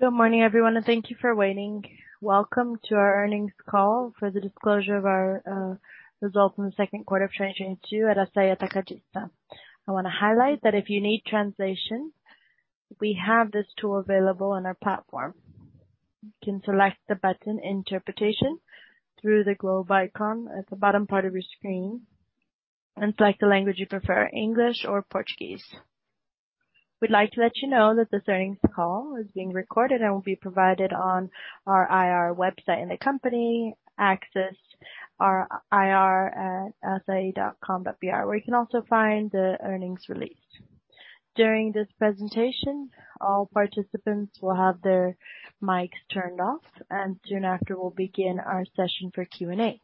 Good morning everyone, and thank you for waiting. Welcome to our earnings call for the disclosure of our results in the second quarter of 2022 at Assaí Atacadista. I wanna highlight that if you need translation, we have this tool available on our platform. You can select the button Interpretation through the globe icon at the bottom part of your screen and select the language you prefer, English or Portuguese. We'd like to let you know that this earnings call is being recorded and will be provided on our IR website in the company. Access our ir@assai.com.br where you can also find the earnings release. During this presentation, all participants will have their mics turned off, and soon after we'll begin our session for Q&A.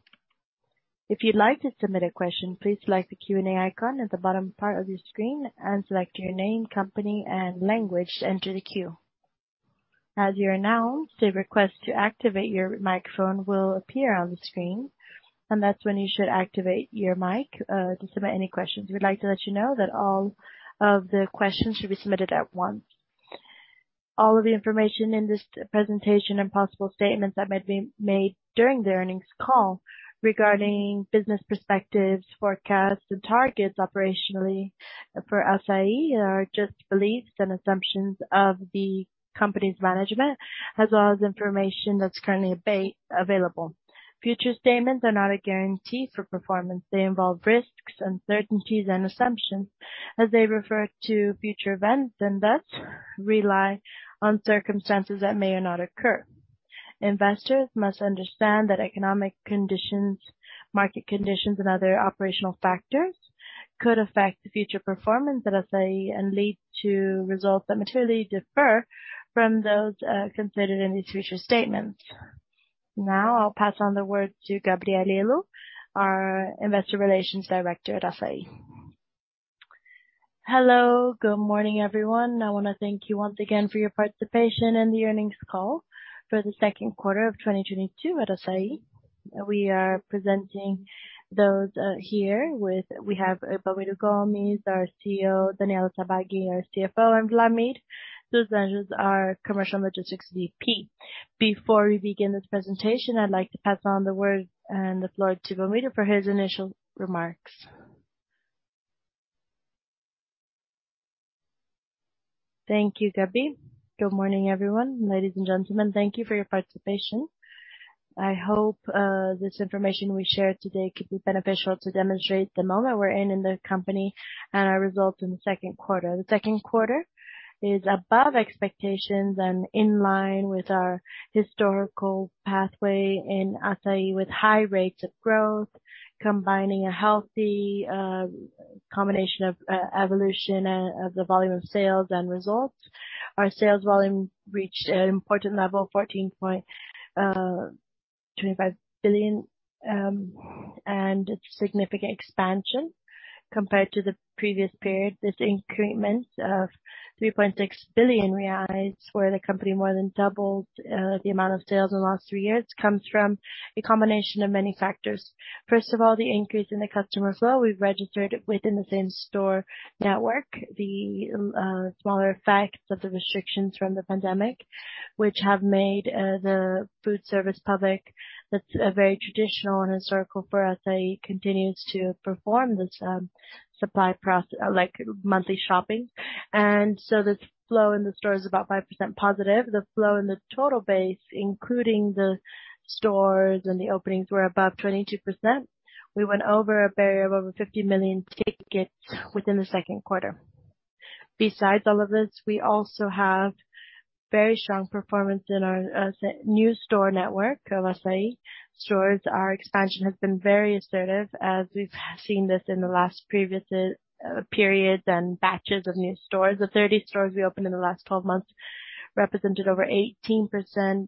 If you'd like to submit a question, please select the Q&A icon at the bottom part of your screen and select your name, company and language to enter the queue. As you are announced, a request to activate your microphone will appear on the screen, and that's when you should activate your mic to submit any questions. We'd like to let you know that all of the questions should be submitted at once. All of the information in this presentation and possible statements that might be made during the earnings call regarding business perspectives, forecasts and targets operationally for Assaí are just beliefs and assumptions of the company's management, as well as information that's currently available. Future statements are not a guarantee for performance. They involve risks, uncertainties and assumptions as they refer to future events, and thus rely on circumstances that may or not occur. Investors must understand that economic conditions, market conditions and other operational factors could affect the future performance at Assaí and lead to results that materially differ from those considered in these future statements. Now I'll pass on the word to Gabrielle Helú, our Investor Relations Director at Assaí. Hello. Good morning, everyone. I wanna thank you once again for your participation in the earnings call for the second quarter of 2022 at Assaí. We are presenting those. We have Belmiro de Figueiredo Gomes, our CEO, Daniela Sabbag Papa, our CFO, and Wlamir dos Anjos, our Commercial & Logistics VP. Before we begin this presentation, I'd like to pass on the word and the floor to Belmiro de Figueiredo Gomes for his initial remarks. Thank you, Gabby. Good morning, everyone. Ladies and gentlemen, thank you for your participation. I hope this information we share today could be beneficial to demonstrate the moment we're in in the company and our results in the second quarter. The second quarter is above expectations and in line with our historical pathway in Assaí, with high rates of growth, combining a healthy combination of evolution and of the volume of sales and results. Our sales volume reached an important level of 14.25 billion. It's significant expansion compared to the previous period. This increment of 3.6 billion reais for the company, more than doubled the amount of sales in the last three years, comes from a combination of many factors. First of all, the increase in the customer flow we've registered within the same store network, the smaller effects of the restrictions from the pandemic, which have made the food service public that's very traditional in Brazil for Assaí continues to perform this supply process like monthly shopping. This flow in the store is about 5% positive. The flow in the total base, including the stores and the openings, were above 22%. We went over a barrier of over 50 million tickets within the second quarter. Besides all of this, we also have very strong performance in our new store network of Assaí stores. Our expansion has been very assertive as we've seen this in the last previous periods and batches of new stores. The 30 stores we opened in the last 12 months represented over 18%,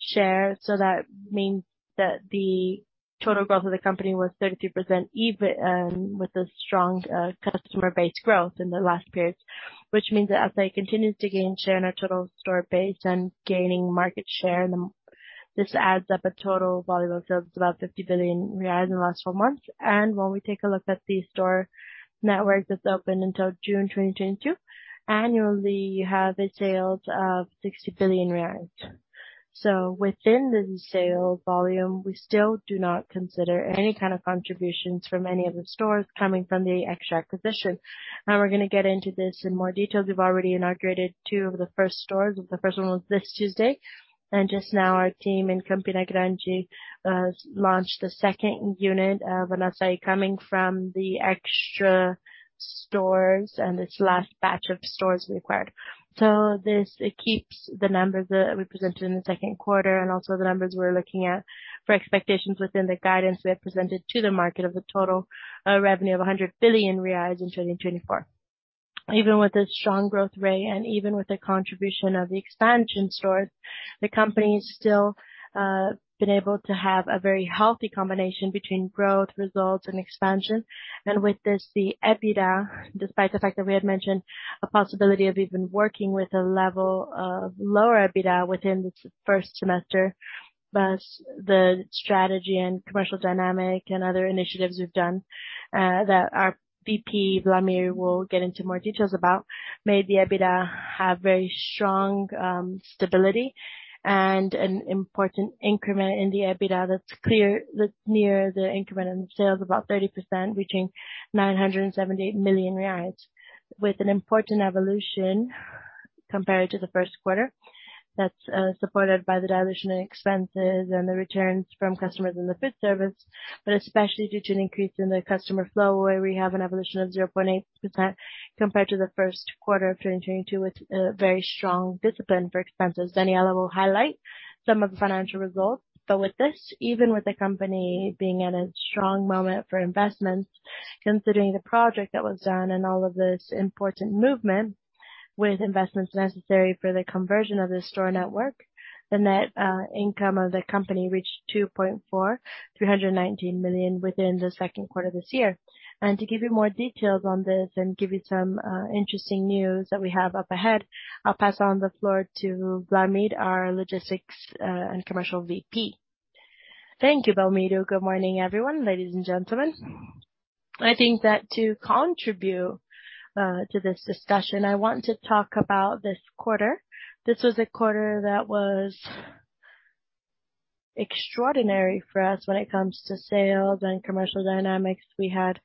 share. That means that the total growth of the company was 32%, even, with a strong, customer base growth in the last periods, which means that Assaí continues to gain share in our total store base and gaining market share. This adds up a total volume of sales of about 50 billion reais in the last four months. When we take a look at the store network that's opened until June 2022, annually you have a sales of 60 billion reais. Within the sales volume, we still do not consider any kind of contributions from any of the stores coming from the Extra acquisition. Now we're gonna get into this in more detail. We've already inaugurated two of the first stores. The first one was this Tuesday, and just now our team in Campina Grande launched the second unit of an Assaí coming from the Extra stores and this last batch of stores required. This keeps the numbers that we presented in the second quarter and also the numbers we're looking at for expectations within the guidance we have presented to the market of the total revenue of 100 billion reais in 2024. Even with the strong growth rate and even with the contribution of the expansion stores, the company's still been able to have a very healthy combination between growth results and expansion. With this, the EBITDA, despite the fact that we had mentioned a possibility of even working with a level of lower EBITDA within the first semester. Plus the strategy and commercial dynamic and other initiatives we've done, that our VP, Wlamir, will get into more details about made the EBITDA have very strong stability and an important increment in the EBITDA. That's clear, that's near the increment in sales, about 30% between 978 million reais, with an important evolution compared to the first quarter. That's supported by the dilution in expenses and the returns from customers in the fifth service, but especially due to an increase in the customer flow, where we have an evolution of 0.8% compared to the first quarter of 2022, with very strong discipline for expenses. Daniela will highlight some of the financial results. With this, even with the company being at a strong moment for investments, considering the project that was done and all of this important movement with investments necessary for the conversion of the store network, the net income of the company reached 243.19 million in the second quarter of this year. To give you more details on this and give you some interesting news that we have up ahead, I'll pass on the floor to Wlamir, our Logistics and Commercial VP. Thank you, Belmiro. Good morning, everyone, ladies and gentlemen. I think that to contribute to this discussion, I want to talk about this quarter. This was a quarter that was extraordinary for us when it comes to sales and commercial dynamics. We had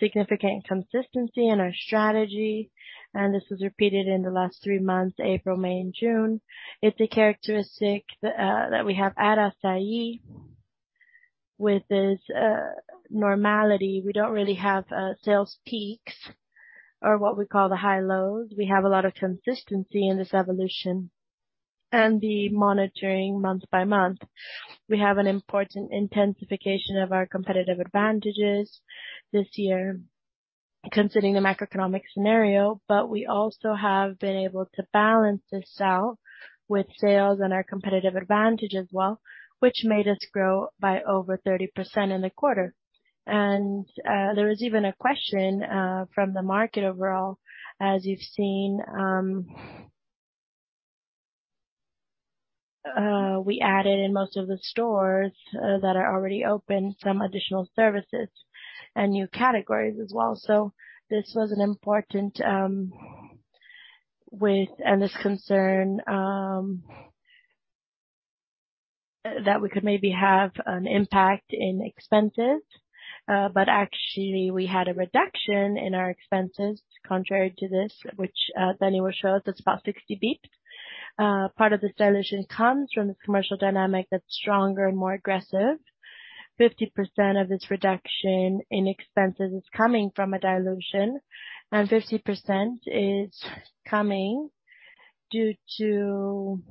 significant consistency in our strategy, and this was repeated in the last three months, April, May, and June. It's a characteristic that we have at Assaí with this normality. We don't really have sales peaks or what we call the highs and lows. We have a lot of consistency in this evolution and the monitoring month by month. We have an important intensification of our competitive advantages this year, considering the macroeconomic scenario. But we also have been able to balance this out with sales and our competitive advantage as well, which made us grow by over 30% in the quarter. There was even a question from the market overall, as you've seen. We added in most of the stores that are already open some additional services and new categories as well. This was an important. This concern that we could maybe have an impact in expenses. But actually, we had a reduction in our expenses contrary to this, which Danny will show. That's about 60 basis points. Part of this dilution comes from this commercial dynamic that's stronger and more aggressive. 50% of this reduction in expenses is coming from a dilution, and 50% is coming due to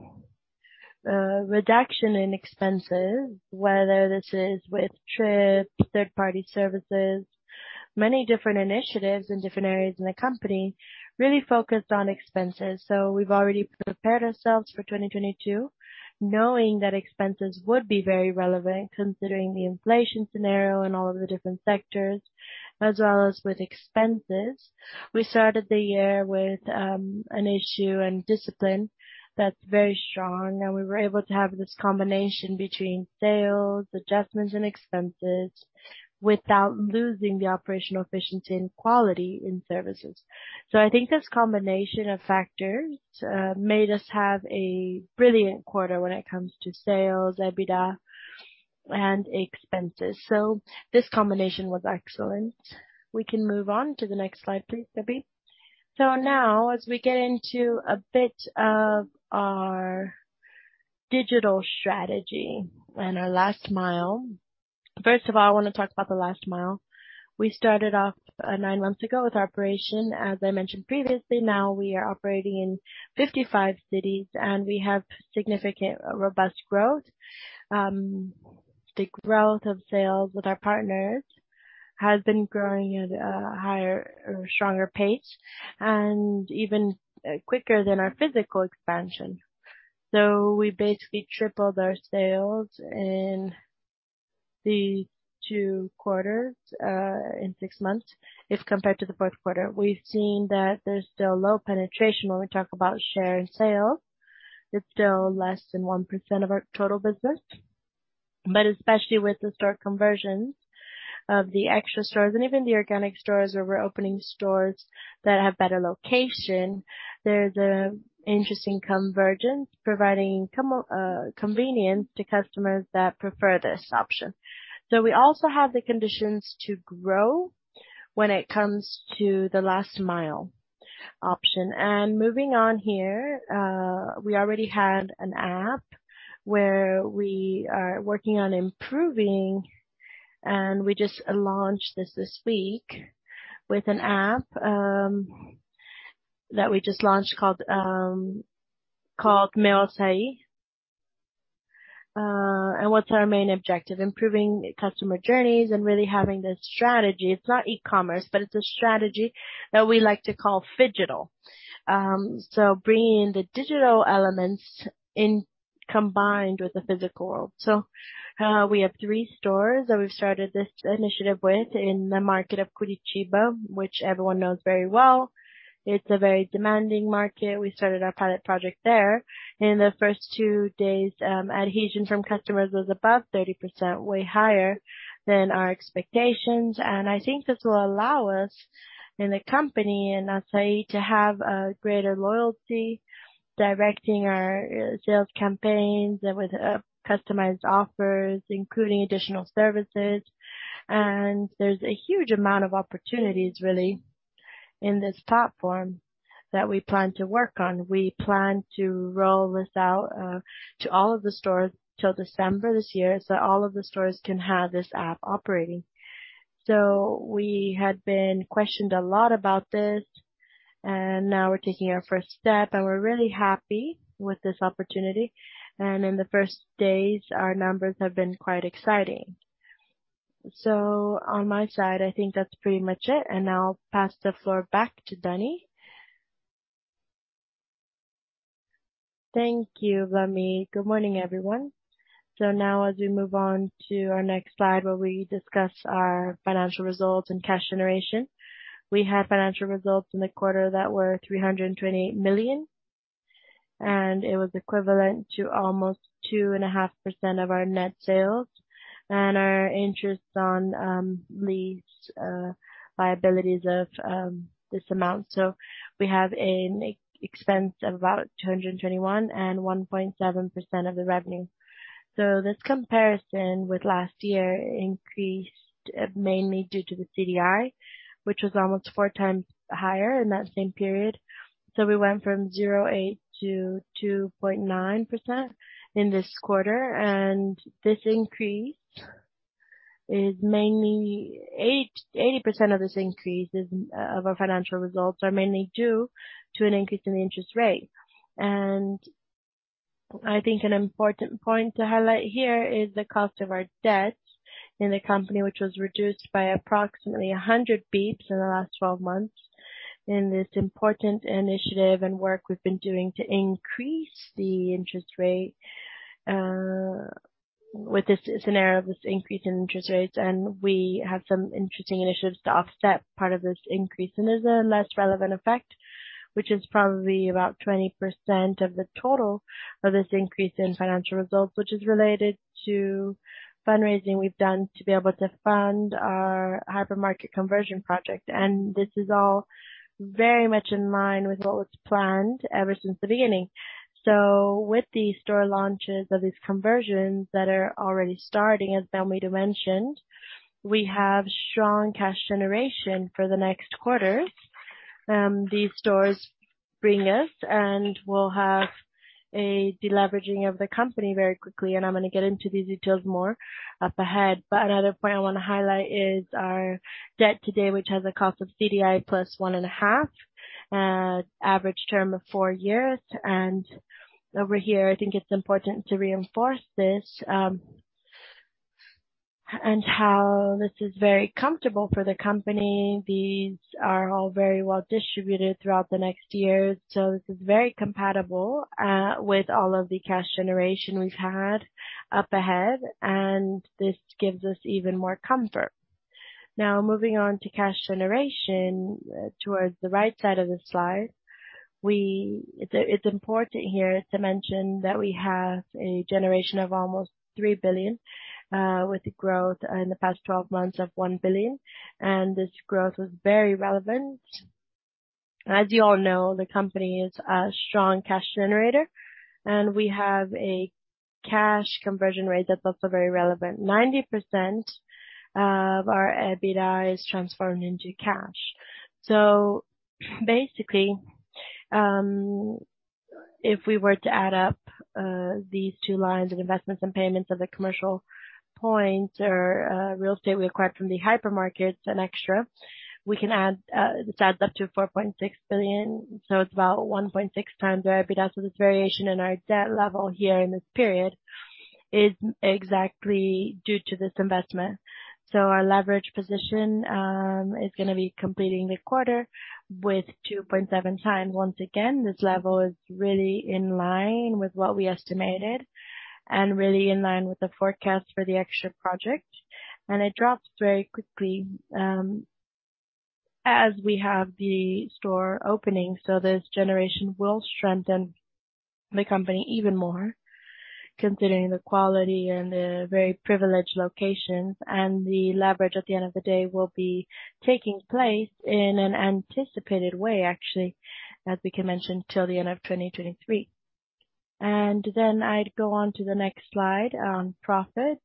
reduction in expenses, whether this is with trips, third-party services. Many different initiatives in different areas in the company really focused on expenses. We've already prepared ourselves for 2022, knowing that expenses would be very relevant considering the inflation scenario in all of the different sectors as well as with expenses. We started the year with an issue and discipline that's very strong, and we were able to have this combination between sales, adjustments, and expenses without losing the operational efficiency and quality in services. I think this combination of factors made us have a brilliant quarter when it comes to sales, EBITDA and expenses. This combination was excellent. We can move on to the next slide, please, Gabby. Now as we get into a bit of our digital strategy and our last mile. First of all, I wanna talk about the last mile. We started off nine months ago with our operation, as I mentioned previously. Now we are operating in 55 cities, and we have significant robust growth. The growth of sales with our partners has been growing at a higher or stronger pace and even quicker than our physical expansion. We basically tripled our sales in the 2 quarters, in 6 months if compared to the fourth quarter. We've seen that there's still low penetration when we talk about share and sale. It's still less than 1% of our total business. Especially with the store conversions of the Extra stores and even the organic stores where we're opening stores that have better location, there's an interesting convergence providing convenience to customers that prefer this option. We also have the conditions to grow when it comes to the last mile option. Moving on here, we already had an app where we are working on improving, and we just launched this week with an app that we just launched called Meu Assaí. What's our main objective? Improving customer journeys and really having this strategy. It's not e-commerce, but it's a strategy that we like to call phygital, bringing the digital elements in combined with the physical world. We have three stores that we've started this initiative with in the market of Curitiba, which everyone knows very well. It's a very demanding market. We started our pilot project there. In the first two days, adhesion from customers was above 30%, way higher than our expectations. I think this will allow us in the company, in Assaí, to have a greater loyalty, directing our sales campaigns with customized offers, including additional services. There's a huge amount of opportunities really in this platform that we plan to work on. We plan to roll this out to all of the stores till December this year, so all of the stores can have this app operating. We had been questioned a lot about this, and now we're taking our first step, and we're really happy with this opportunity. In the first days, our numbers have been quite exciting. On my side, I think that's pretty much it. Now I'll pass the floor back to Dani. Thank you, Belmi. Good morning, everyone. Now as we move on to our next slide where we discuss our financial results and cash generation. We had financial results in the quarter that were 328 million, and it was equivalent to almost 2.5% of our net sales. Our interest on lease liabilities of this amount. We have an expense of about 221 million and 1.7% of the revenue. This comparison with last year increased mainly due to the CDI, which was almost four times higher in that same period. We went from 0.8% to 2.9% in this quarter. This increase is mainly 80% of this increase, of our financial results, are mainly due to an increase in the interest rate. I think an important point to highlight here is the cost of our debt in the company, which was reduced by approximately 100 basis points in the last twelve months. In this important initiative and work we've been doing to increase the interest rate, with this scenario of this increase in interest rates. We have some interesting initiatives to offset part of this increase. There's a less relevant effect, which is probably about 20% of the total of this increase in financial results, which is related to fundraising we've done to be able to fund our hypermarket conversion project. This is all very much in line with what was planned ever since the beginning. With the store launches of these conversions that are already starting, as Belmiro mentioned, we have strong cash generation for the next quarters. These stores bring us, and we'll have a deleveraging of the company very quickly. I'm gonna get into these details more up ahead. Another point I wanna highlight is our debt today, which has a cost of CDI plus 1.5, with an average term of four years. Over here, I think it's important to reinforce this, and how this is very comfortable for the company. These are all very well distributed throughout the next few years. This is very compatible with all of the cash generation we've had up ahead, and this gives us even more comfort. Now, moving on to cash generation towards the right side of the slide. It's important here to mention that we have a generation of almost 3 billion with growth in the past 12 months of 1 billion. This growth was very relevant. As you all know, the company is a strong cash generator, and we have a cash conversion rate that's also very relevant. 90% of our EBITDA is transformed into cash. Basically, if we were to add up these two lines of investments and payments of the commercial points or real estate we acquired from the hypermarkets and Extra, we can add this up to 4.6 billion, so it's about 1.6x our EBITDA. Our leverage position is gonna be completing the quarter with 2.7x. Once again, this level is really in line with what we estimated and really in line with the forecast for the Extra project. It drops very quickly as we have the store opening. This generation will strengthen the company even more, considering the quality and the very privileged locations. The leverage at the end of the day will be taking place in an anticipated way, actually, as we can mention, till the end of 2023. Then I'd go on to the next slide, profits.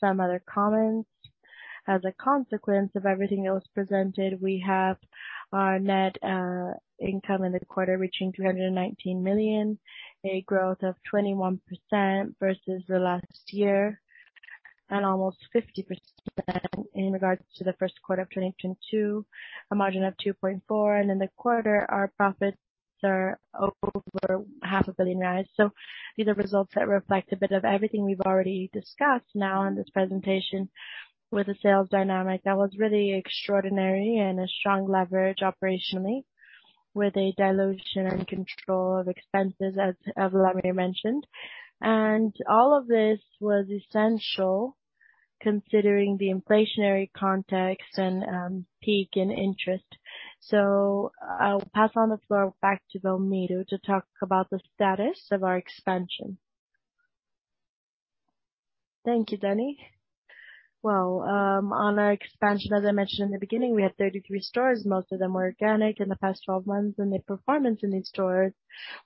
Some other comments. As a consequence of everything that was presented, we have our net income in the quarter reaching 219 million, a growth of 21% versus the last year and almost 50% in regards to the first quarter of 2022. A margin of 2.4%. In the quarter, our profits are over half a billion BRL. These are results that reflect a bit of everything we've already discussed now in this presentation. With a sales dynamic that was really extraordinary and a strong leverage operationally with a dilution and control of expenses, as Wlamir mentioned. All of this was essential considering the inflationary context and peak in interest. I'll pass on the floor back to Belmiro to talk about the status of our expansion. Thank you, Dani. Well, on our expansion, as I mentioned in the beginning, we had 33 stores. Most of them were organic in the past 12 months. The performance in these stores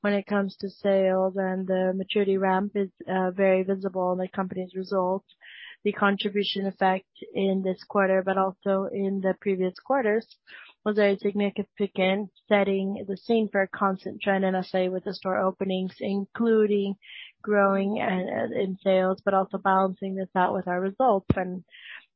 when it comes to sales and the maturity ramp is very visible in the company's results. The contribution effect in this quarter, but also in the previous quarters, was very significant, setting the scene for a constant trend NSA with the store openings, including growing in sales, but also balancing this out with our results.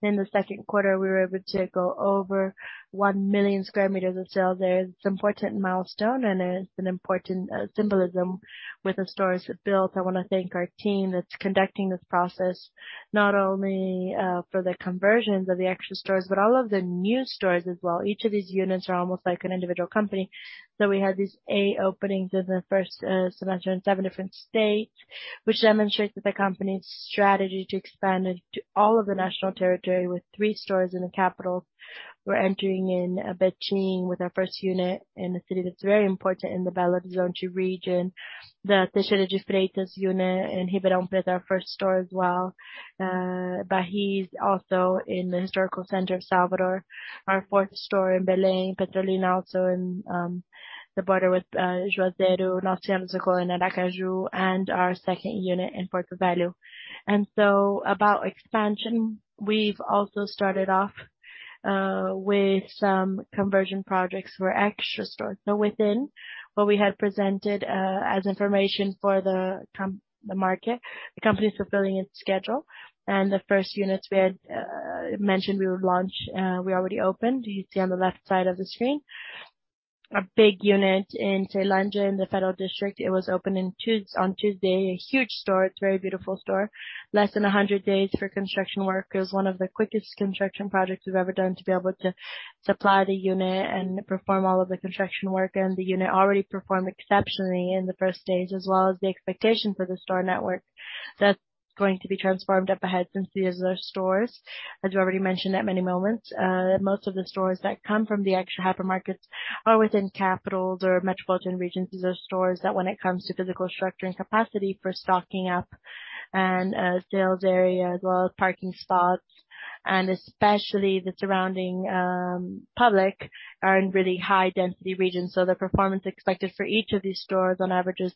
In the second quarter, we were able to go over 1 million sq m of sales there. It's an important milestone, and it's an important symbolism with the stores built. I wanna thank our team that's conducting this process not only for the conversions of the Extra stores but all of the new stores as well. Each of these units are almost like an individual company. We had these eight openings in the first semester in seven different states, which demonstrates that the company's strategy to expand into all of the national territory with three stores in the capital. We're entering in Betim with our first unit in a city that's very important in the Belo Horizonte region. The Teixeira de Freitas unit in Ribeirão Preto, our first store as well. Bahia is also in the historical center of Salvador. Our fourth store in Belém. Petrolina, also in the border with Juazeiro. Norte Shopping in Aracaju, and our second unit in Porto Velho. About expansion, we've also started off with some conversion projects for Extra stores. Within what we had presented as information for the market, the company's fulfilling its schedule. The first units we had mentioned we would launch, we already opened. You see on the left side of the screen. A big unit in Ceilândia, in the Federal District. It was opened on Tuesday. A huge store. It's a very beautiful store. Less than 100 days for construction work. It was one of the quickest construction projects we've ever done to be able to supply the unit and perform all of the construction work. The unit already performed exceptionally in the first stage, as well as the expectation for the store network that's going to be transformed up ahead since these are stores. As you already mentioned at many moments, most of the stores that come from the Extra hypermarkets are within capitals or metropolitan regions. These are stores that when it comes to physical structure and capacity for stocking up and sales area as well as parking spots, and especially the surrounding public, are in really high density regions. The performance expected for each of these stores on average is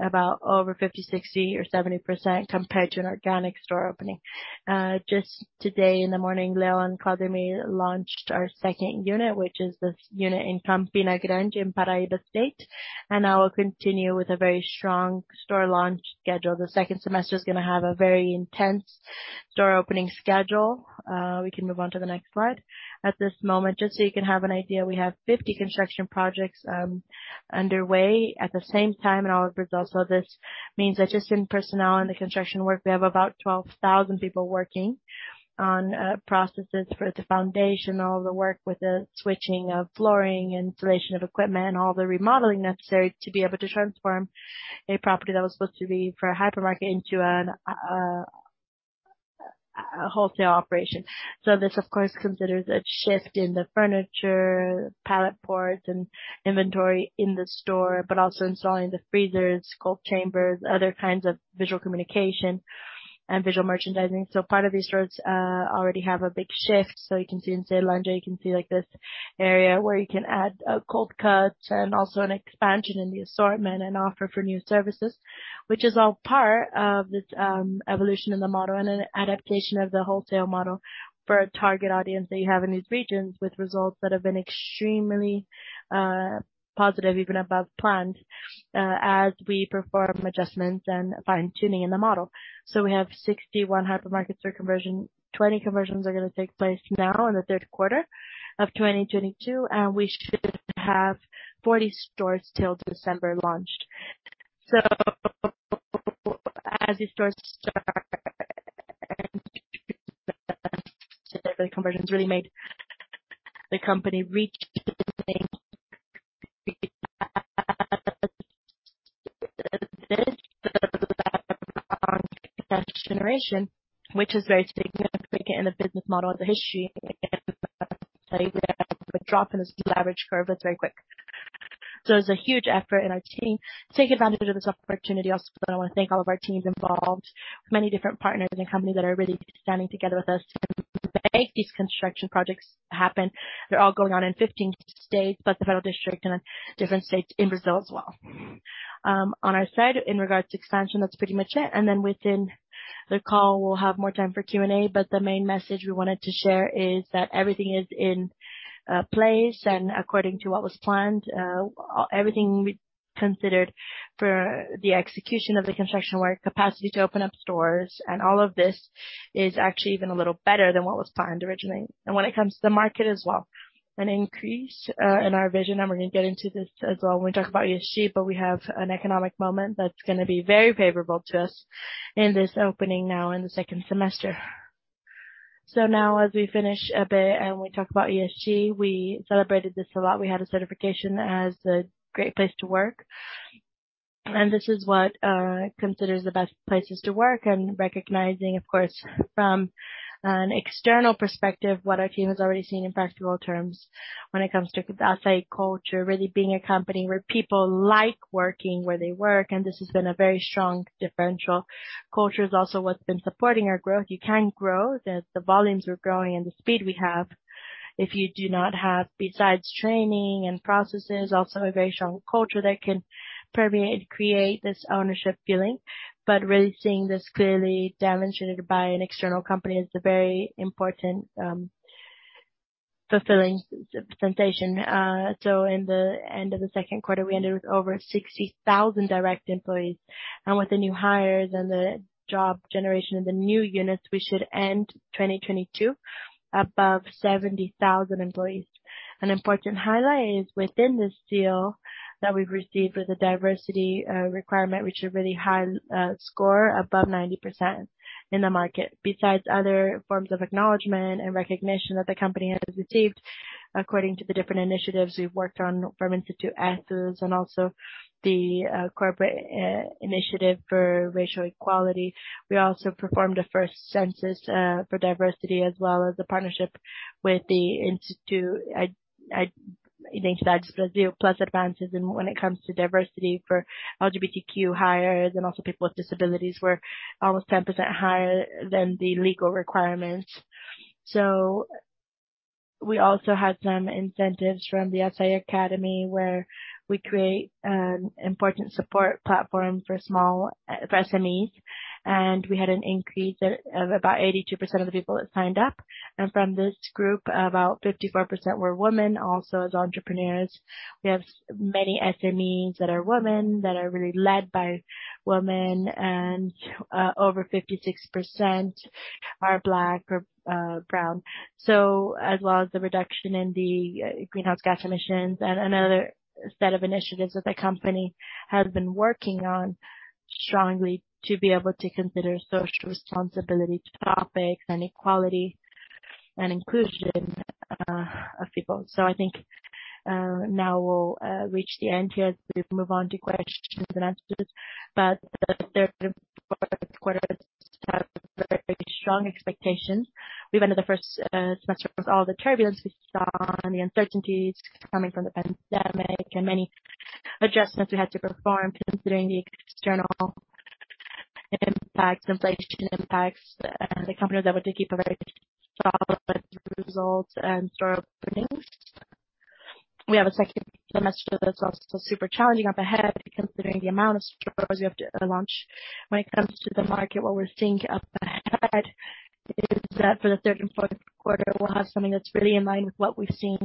about over 50%, 60%, or 70% compared to an organic store opening. Just today in the morning, Leo and Claudemir launched our second unit, which is this unit in Campina Grande in Paraíba State. Now we'll continue with a very strong store launch schedule. The second semester is gonna have a very intense store opening schedule. We can move on to the next slide. At this moment, just so you can have an idea, we have 50 construction projects underway at the same time in all of Brazil. This means that just in personnel in the construction work, we have about 12,000 people working on processes for the foundation, all the work with the switching of flooring, installation of equipment, all the remodeling necessary to be able to transform a property that was supposed to be for a hypermarket into a wholesale operation. This, of course, considers a shift in the furniture, pallet ports, and inventory in the store, but also installing the freezers, cold chambers, other kinds of visual communication and visual merchandising. Part of these stores already have a big shift. You can see in Ceilândia, you can see like this area where you can add cold cuts and also an expansion in the assortment and offer for new services. Which is all part of this evolution in the model and an adaptation of the wholesale model for a target audience that you have in these regions with results that have been extremely positive, even above planned, as we perform adjustments and fine-tuning in the model. We have 61 hypermarkets for conversion. 20 conversions are gonna take place now in the third quarter of 2022, and we should have 40 stores till December launched. As these stores start the conversions really made the company reach cash generation, which is very significant in the business model of the historic drop in this leverage curve that's very quick. It's a huge effort in our team to take advantage of this opportunity. Also, I wanna thank all of our teams involved, many different partners in the company that are really standing together with us to make these construction projects happen. They're all going on in 15 states, but the Federal District and different states in Brazil as well. On our side in regards to expansion, that's pretty much it. Then within the call we'll have more time for Q&A. The main message we wanted to share is that everything is in place and according to what was planned. Everything we considered for the execution of the construction work capacity to open up stores and all of this is actually even a little better than what was planned originally. When it comes to the market as well, an increase in our vision, and we're gonna get into this as well when we talk about ESG, but we have an economic moment that's gonna be very favorable to us in this opening now in the second semester. Now as we finish a bit and we talk about ESG, we celebrated this a lot. We had a certification as a Great Place to Work, and this is what considers the best places to work and recognizing, of course, from an external perspective, what our team has already seen in practical terms when it comes to Assaí culture, really being a company where people like working, where they work. This has been a very strong differential. Culture is also what's been supporting our growth. You can't grow the volumes we're growing and the speed we have if you do not have, besides training and processes, also a very strong culture that can permeate, create this ownership feeling. Really seeing this clearly demonstrated by an external company is a very important, fulfilling sensation. In the end of the second quarter, we ended with over 60,000 direct employees. With the new hires and the job generation in the new units, we should end 2022 above 70,000 employees. An important highlight is within this seal that we've received with the diversity requirement, which a really high score above 90% in the market. Besides other forms of acknowledgement and recognition that the company has achieved according to the different initiatives we've worked on from Instituto Assaí and also the corporate initiative for racial equality. We also performed a first census for diversity as well as a partnership with the Instituto Plus de Educação e Inclusão Social when it comes to diversity for LGBTQ hires and also people with disabilities. We're almost 10% higher than the legal requirements. We also had some incentives from the Assaí Academy, where we create an important support platform for small SMEs. We had an increase of about 82% of the people that signed up. From this group, about 54% were women, also as entrepreneurs. We have many SMEs that are women, that are really led by women and over 56% are Black or Brown. As well as the reduction in the greenhouse gas emissions and another set of initiatives that the company has been working on strongly to be able to consider social responsibility topics and equality and inclusion of people. I think now we'll reach the end here as we move on to questions and answers. The third quarter, very strong expectations. We've entered the first semester with all the turbulence we saw and the uncertainties coming from the pandemic and many adjustments we had to perform considering the external impacts, inflation impacts, and the company was able to keep a very solid results and store openings. We have a second semester that's also super challenging up ahead considering the amount of stores we have to launch. When it comes to the market, what we're seeing up ahead is that for the third and fourth quarter we'll have something that's really in line with what we've seen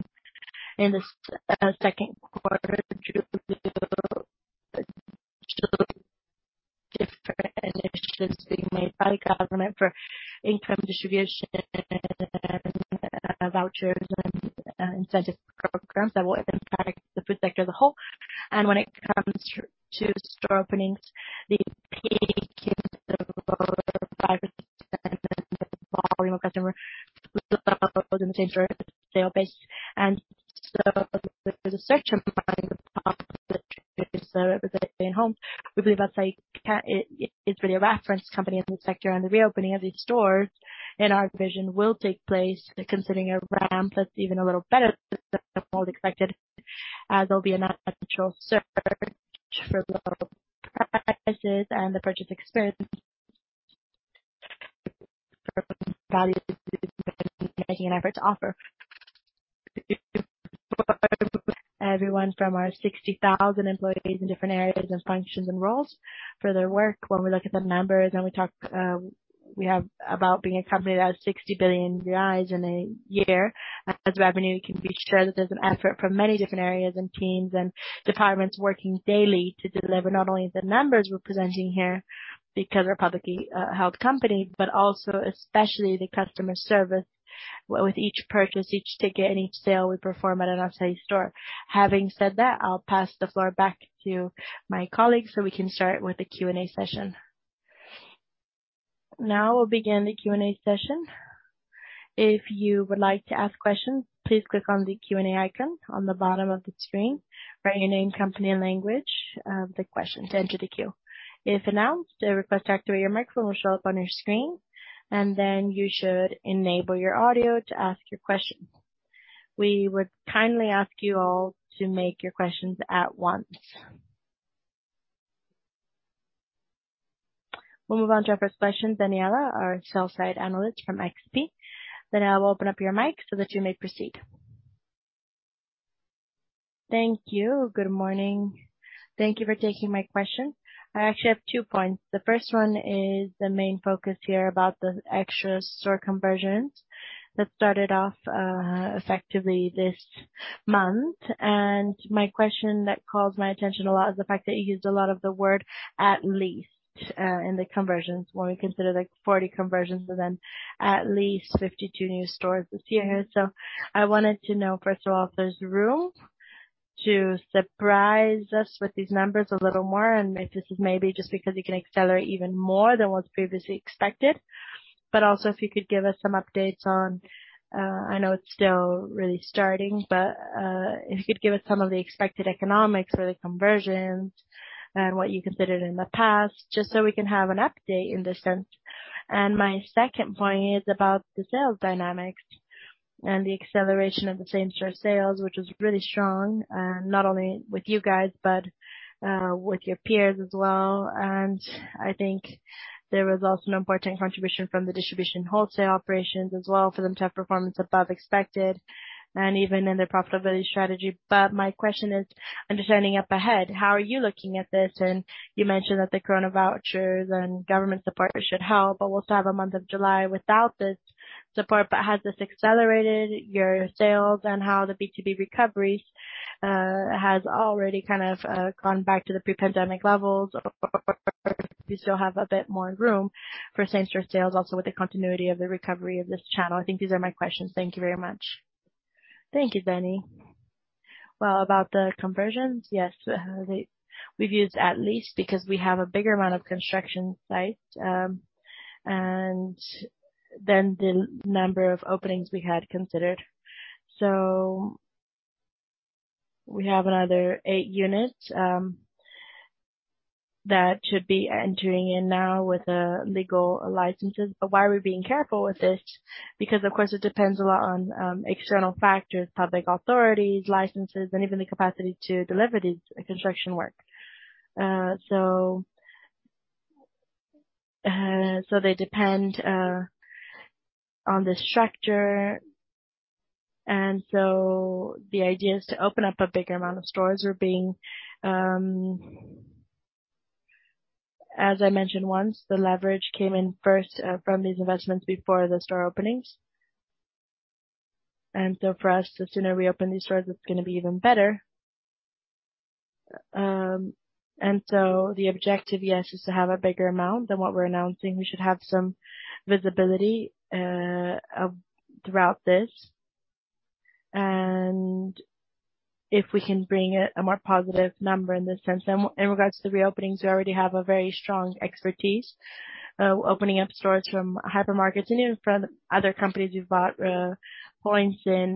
in the second quarter due to the different initiatives being made by government for income distribution, vouchers and incentive programs that will impact the food sector as a whole. When it comes to store openings, the peak is over 5% of the volume of customer within the same store they are based. There's a search online. We believe Assaí is really a reference company in this sector, and the reopening of these stores in our vision will take place, considering a ramp that's even a little better than what was expected. There'll be a natural search for lower prices and the purchase experience. Making an effort to offer. Everyone from our 60,000 employees in different areas, and functions, and roles for their work. When we look at the numbers and we talk about being a company that has 60 billion reais in a year as revenue, you can be sure that there's an effort from many different areas and teams and departments working daily to deliver not only the numbers we're presenting here because we're a publicly held company, but also especially the customer service with each purchase, each ticket and each sale we perform at an Assaí store. Having said that, I'll pass the floor back to my colleague, so we can start with the Q&A session. Now we'll begin the Q&A session. If you would like to ask questions, please click on the Q&A icon at the bottom of the screen. Write your name, company, and the language of the question sent to the queue. If announced, a request to activate your microphone will show up on your screen, and then you should enable your audio to ask your question. We would kindly ask you all to make your questions at once. We'll move on to our first question. Danniela, our sell-side analyst from XP. Danniela, I will open up your mic so that you may proceed. Thank you. Good morning. Thank you for taking my question. I actually have two points. The first one is the main focus here about the Extra store conversions that started off, effectively this month. My question that calls my attention a lot is the fact that you used a lot of the word at least in the conversions when we consider like 40 conversions and then at least 52 new stores this year. I wanted to know, first of all, if there's room to surprise us with these numbers a little more, and if this is maybe just because you can accelerate even more than what's previously expected. Also if you could give us some updates on, I know it's still really starting, but, if you could give us some of the expected economics or the conversions and what you considered in the past, just so we can have an update in this sense. My second point is about the sales dynamics and the acceleration of the same-store sales, which is really strong, not only with you guys but, with your peers as well. I think there was also an important contribution from the distribution wholesale operations as well for them to have performance above expected and even in the profitability strategy. My question is, looking ahead, how are you looking at this? You mentioned that the corona vouchers and government support should help, but we'll still have a month of July without this support. Has this accelerated your sales and how the B2B recovery has already kind of gone back to the pre-pandemic levels? Or do you still have a bit more room for same-store sales also with the continuity of the recovery of this channel? I think these are my questions. Thank you very much. Thank you, Dani. Well, about the conversions, yes, we've used at least because we have a bigger amount of construction sites, and then the number of openings we had considered. We have another eight units that should be entering in now with the legal licenses. Why are we being careful with this? Because of course it depends a lot on external factors, public authorities, licenses, and even the capacity to deliver these construction work. They depend on the structure. The idea is to open up a bigger amount of stores. As I mentioned once, the leverage came in first from these investments before the store openings. For us, the sooner we open these stores, it's gonna be even better. The objective, yes, is to have a bigger amount than what we're announcing. We should have some visibility throughout this. If we can bring it a more positive number in this sense. In regards to the re-openings, we already have a very strong expertise. Opening up stores from hypermarkets and even from other companies we've bought points in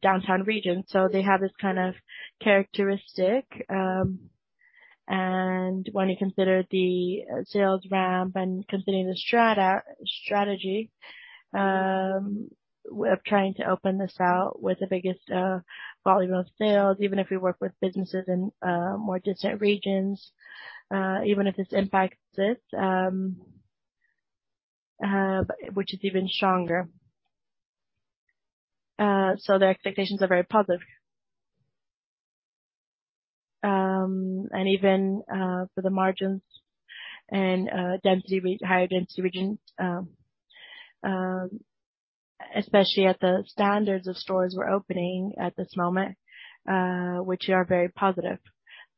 downtown regions. They have this kind of characteristic, and when you consider the sales ramp and considering the strategy of trying to open this out with the biggest volume of sales, even if we work with businesses in more distant regions, even if this impacts it, which is even stronger. The expectations are very positive. Even for the margins and density higher-density regions, especially at the standards of stores we're opening at this moment, which are very positive.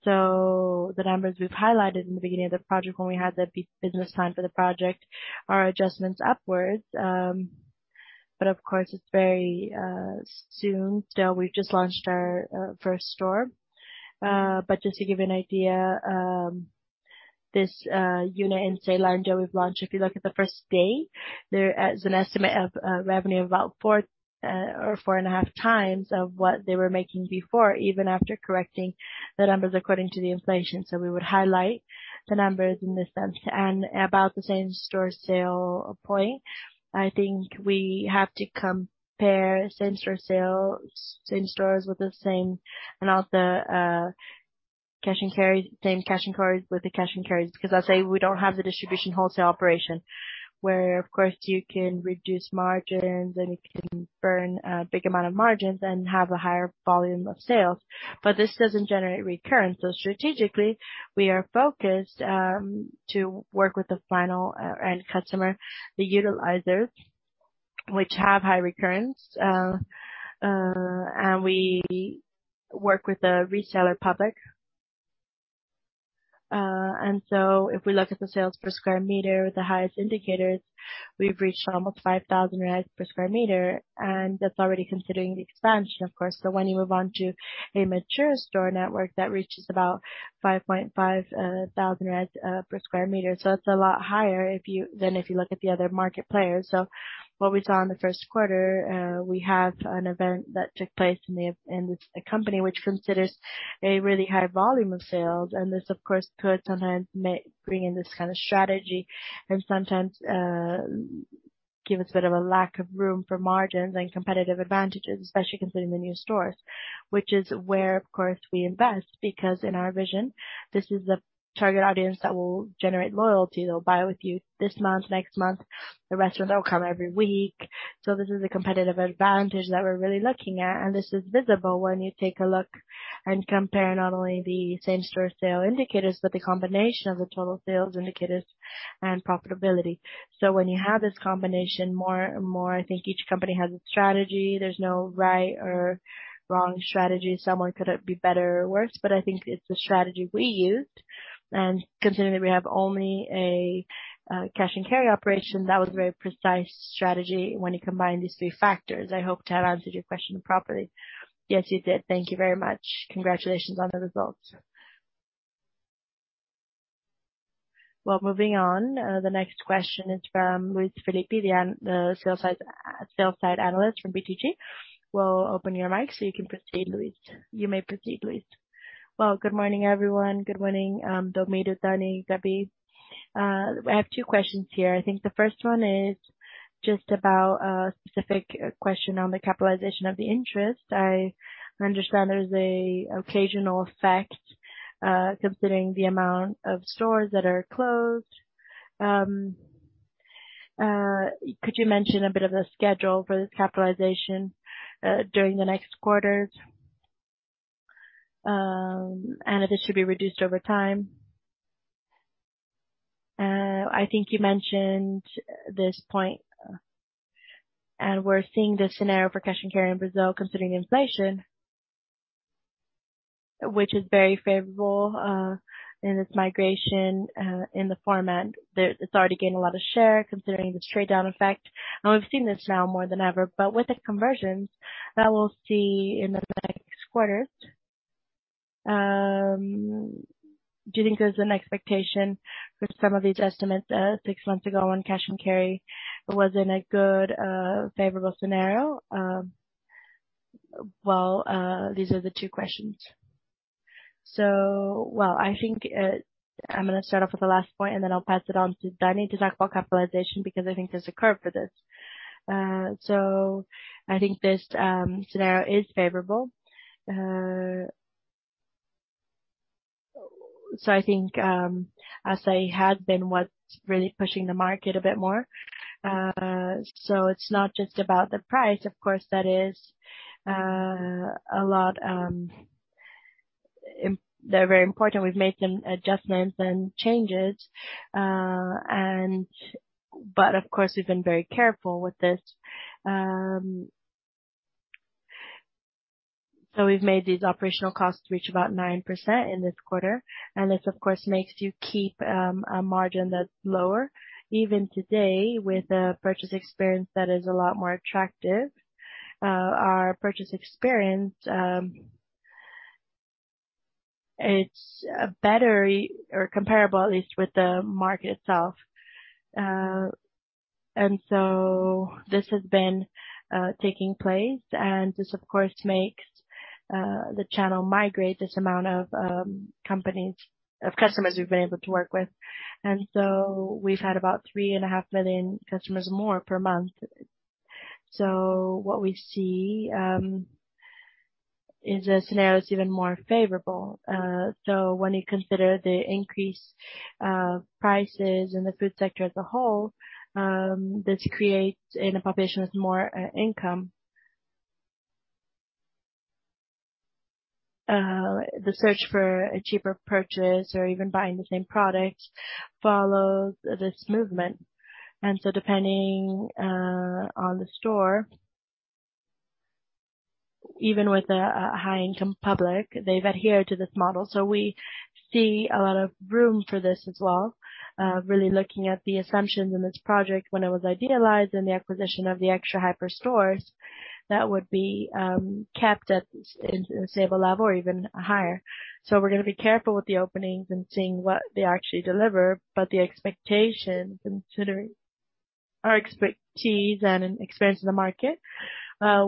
The numbers we've highlighted in the beginning of the project, when we had the business plan for the project, are adjustments upwards. Of course, it's very soon. Still, we've just launched our first store. Just to give you an idea, this unit in Ceilândia we've launched, if you look at the first day, there is an estimate of revenue about 4x or 4.5x of what they were making before, even after correcting the numbers according to the inflation. We would highlight the numbers in this sense. About the same-store sales point, I think we have to compare same-store sales, same stores with the same, and also cash and carry, same cash and carries with the cash and carries. Because I'd say we don't have the distribution wholesale operation, where of course, you can reduce margins and you can burn a big amount of margins and have a higher volume of sales. But this doesn't generate recurrence. Strategically, we are focused to work with the final end customer, the utilizers, which have high recurrence. And we work with the reseller public. If we look at the sales per square meter with the highest indicators, we've reached almost 5,000 reais per square meter, and that's already considering the expansion, of course. When you move on to a mature store network, that reaches about 5.5 thousand per square meter. That's a lot higher than if you look at the other market players. What we saw in the first quarter, we have an event that took place in this company, which considers a really high volume of sales. This of course could sometimes bring in this kind of strategy and sometimes give us a bit of a lack of room for margins and competitive advantages, especially considering the new stores, which is where, of course, we invest. Because in our vision, this is the target audience that will generate loyalty. They'll buy with you this month, next month. The rest of them will come every week. This is a competitive advantage that we're really looking at, and this is visible when you take a look and compare not only the same-store sales indicators, but the combination of the total sales indicators and profitability. When you have this combination more and more, I think each company has its own strategy. There's no right or wrong strategy. Someone could be better or worse, but I think it's the strategy we used. Considering that we have only a cash and carry operation, that was a very precise strategy when you combine these three factors. I hope to have answered your question properly. Yes, you did. Thank you very much. Congratulations on the results. Well, moving on. The next question is from Luiz Felipe, the sell-side analyst from BTG. We'll open your mic so you can proceed, Luiz. You may proceed, Luiz. Well, good morning, everyone. Good morning, Belmiro, Dani, and Gabby. I have two questions here. I think the first one is just about a specific question on the capitalization of the interest. I understand there's an occasional effect, considering the amount of stores that are closed. Could you mention a bit of the schedule for this capitalization during the next quarter? It is to be reduced over time. I think you mentioned this point, and we're seeing this scenario for cash & carry in Brazil, considering inflation, which is very favorable, in this migration, in the format. There, it's already gained a lot of share considering the straight down effect, and we've seen this now more than ever. With the conversions that we'll see in the next quarters, do you think there's an expectation with some of these estimates, six months ago when cash and carry was in a good, favorable scenario? Well, these are the two questions. Well, I think, I'm gonna start off with the last point, and then I'll pass it on to Dani to talk about capitalization because I think there's a curve for this. I think this scenario is favorable. I think, as I had been, what's really pushing the market a bit more, so it's not just about the price, of course, that is, a lot, they're very important. We've made some adjustments and changes, and but of course, we've been very careful with this. We've made these operational costs reach about 9% in this quarter, and this of course makes you keep a margin that's lower even today with a purchase experience that is a lot more attractive. Our purchase experience, it's better or comparable at least with the market itself. This has been taking place and this of course makes the channel migrate this amount of companies or customers we've been able to work with. We've had about 3.5 million customers more per month. What we see is the scenario is even more favorable. When you consider the increased prices in the food sector as a whole, this creates in a population with more income. The search for a cheaper purchase or even buying the same product follows this movement. Depending on the store, even with a high-income public, they've adhered to this model. We see a lot of room for this as well. Really looking at the assumptions in this project when it was idealized and the acquisition of the Extra hyper stores that would be kept at in a stable level or even higher. We're gonna be careful with the openings and seeing what they actually deliver. The expectations, considering our expertise and experience in the market,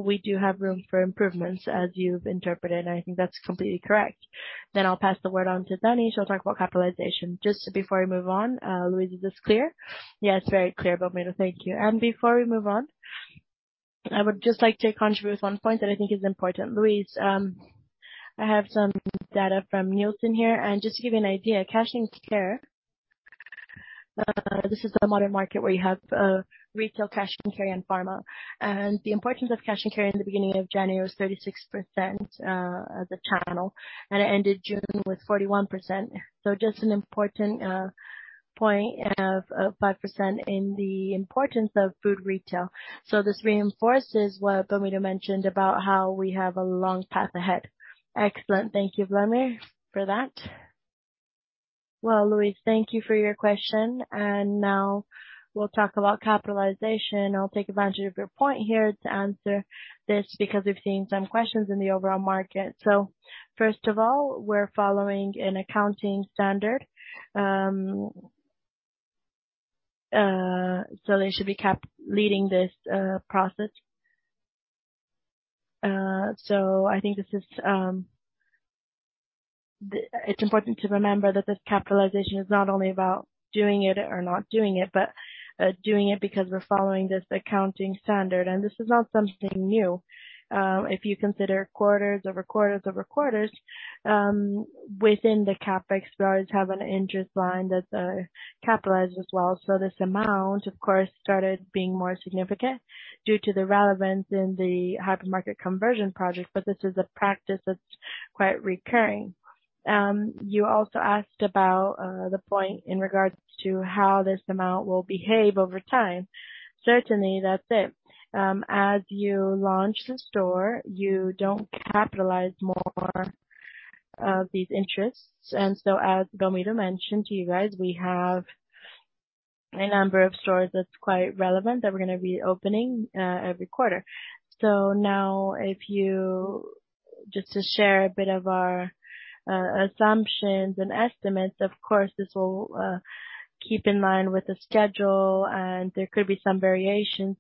we do have room for improvements, as you've interpreted, and I think that's completely correct. I'll pass the word on to Dani. She'll talk about capitalization. Just before we move on, Luiz, is this clear? Yeah, it's very clear, Belmiro. Thank you. Before we move on, I would just like to contribute one point that I think is important. Luiz, I have some data from Nielsen here. Just to give you an idea, cash and carry, this is a modern market where you have, retail cash and carry and pharma. The importance of cash and carry in the beginning of January was 36%, as a channel, and it ended June with 41%. Just an important point of 5% in the importance of food retail. This reinforces what Belmiro mentioned about how we have a long path ahead. Excellent. Thank you, Wlamir, for that. Well, Luiz, thank you for your question. Now we'll talk about capitalization. I'll take advantage of your point here to answer this because we've seen some questions in the overall market. First of all, we're following an accounting standard. They should be kept leading this process. I think this is. It's important to remember that this capitalization is not only about doing it or not doing it, but doing it because we're following this accounting standard, and this is not something new. If you consider quarters over quarters over quarters, within the CapEx, we always have an interest line that capitalized as well. This amount, of course, started being more significant due to the relevance in the hypermarket conversion project, but this is a practice that's quite recurring. You also asked about the point in regards to how this amount will behave over time. Certainly, that's it. As you launch the store, you don't capitalize more of these interests. As Belmiro de Figueiredo Gomes mentioned to you guys, we have a number of stores that are quite relevant that we're gonna be opening every quarter. Just to share a bit of our assumptions and estimates, of course, this will keep in line with the schedule, and there could be some variations.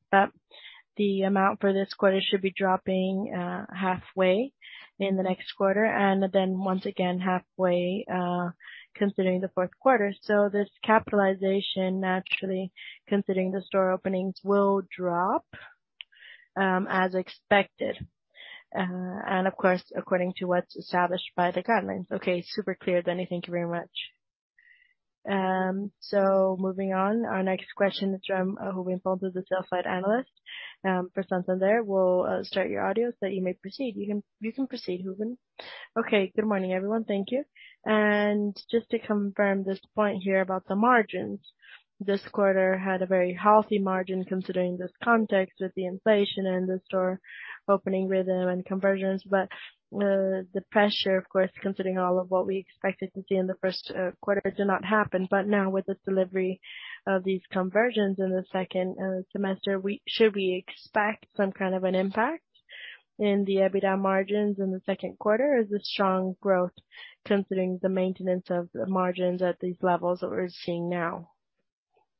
The amount for this quarter should be dropping halfway in the next quarter and then once again halfway, considering the fourth quarter. This capitalization, naturally, considering the store openings, will drop as expected and of course, according to what's established by the guidelines. Okay, super clear, Dani. Thank you very much. Moving on. Our next question is from Rodrigo Gastim, a sell-side analyst for Santander. We'll start your audio so that you may proceed. You can proceed, Rodrigo. Okay. Good morning, everyone. Thank you. Just to confirm this point here about the margins. This quarter had a very healthy margin considering this context with the inflation and the store opening rhythm and conversions. The pressure of course, considering all of what we expected to see in the first quarter did not happen. Now with the delivery of these conversions in the second semester, should we expect some kind of an impact in the EBITDA margins in the second quarter? Or is it strong growth considering the maintenance of the margins at these levels that we're seeing now?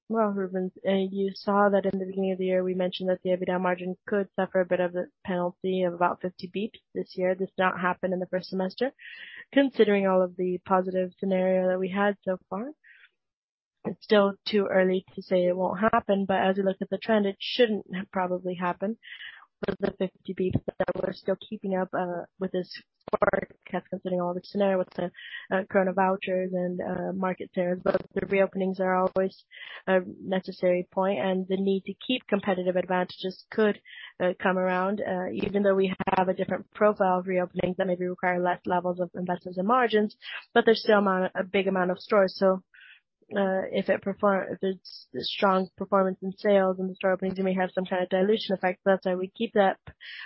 Well, Rodrigo Gastim, you saw that in the beginning of the year, we mentioned that the EBITDA margin could suffer a bit of a penalty of about 50 basis points this year. This has not happened in the first semester. Considering all of the positive scenario that we had so far, it's still too early to say it won't happen, but as we look at the trend, it shouldn't probably happen with the 50 basis points. We're still keeping up with this forecast considering all the scenario with the Corona vouchers and market shares. The reopenings are always a necessary point, and the need to keep competitive advantages could come around. Even though we have a different profile of reopenings that maybe require less levels of investments and margins, but there's still a big amount of stores. If it's strong performance in sales and the store openings, we may have some kind of dilution effect. That's why we keep that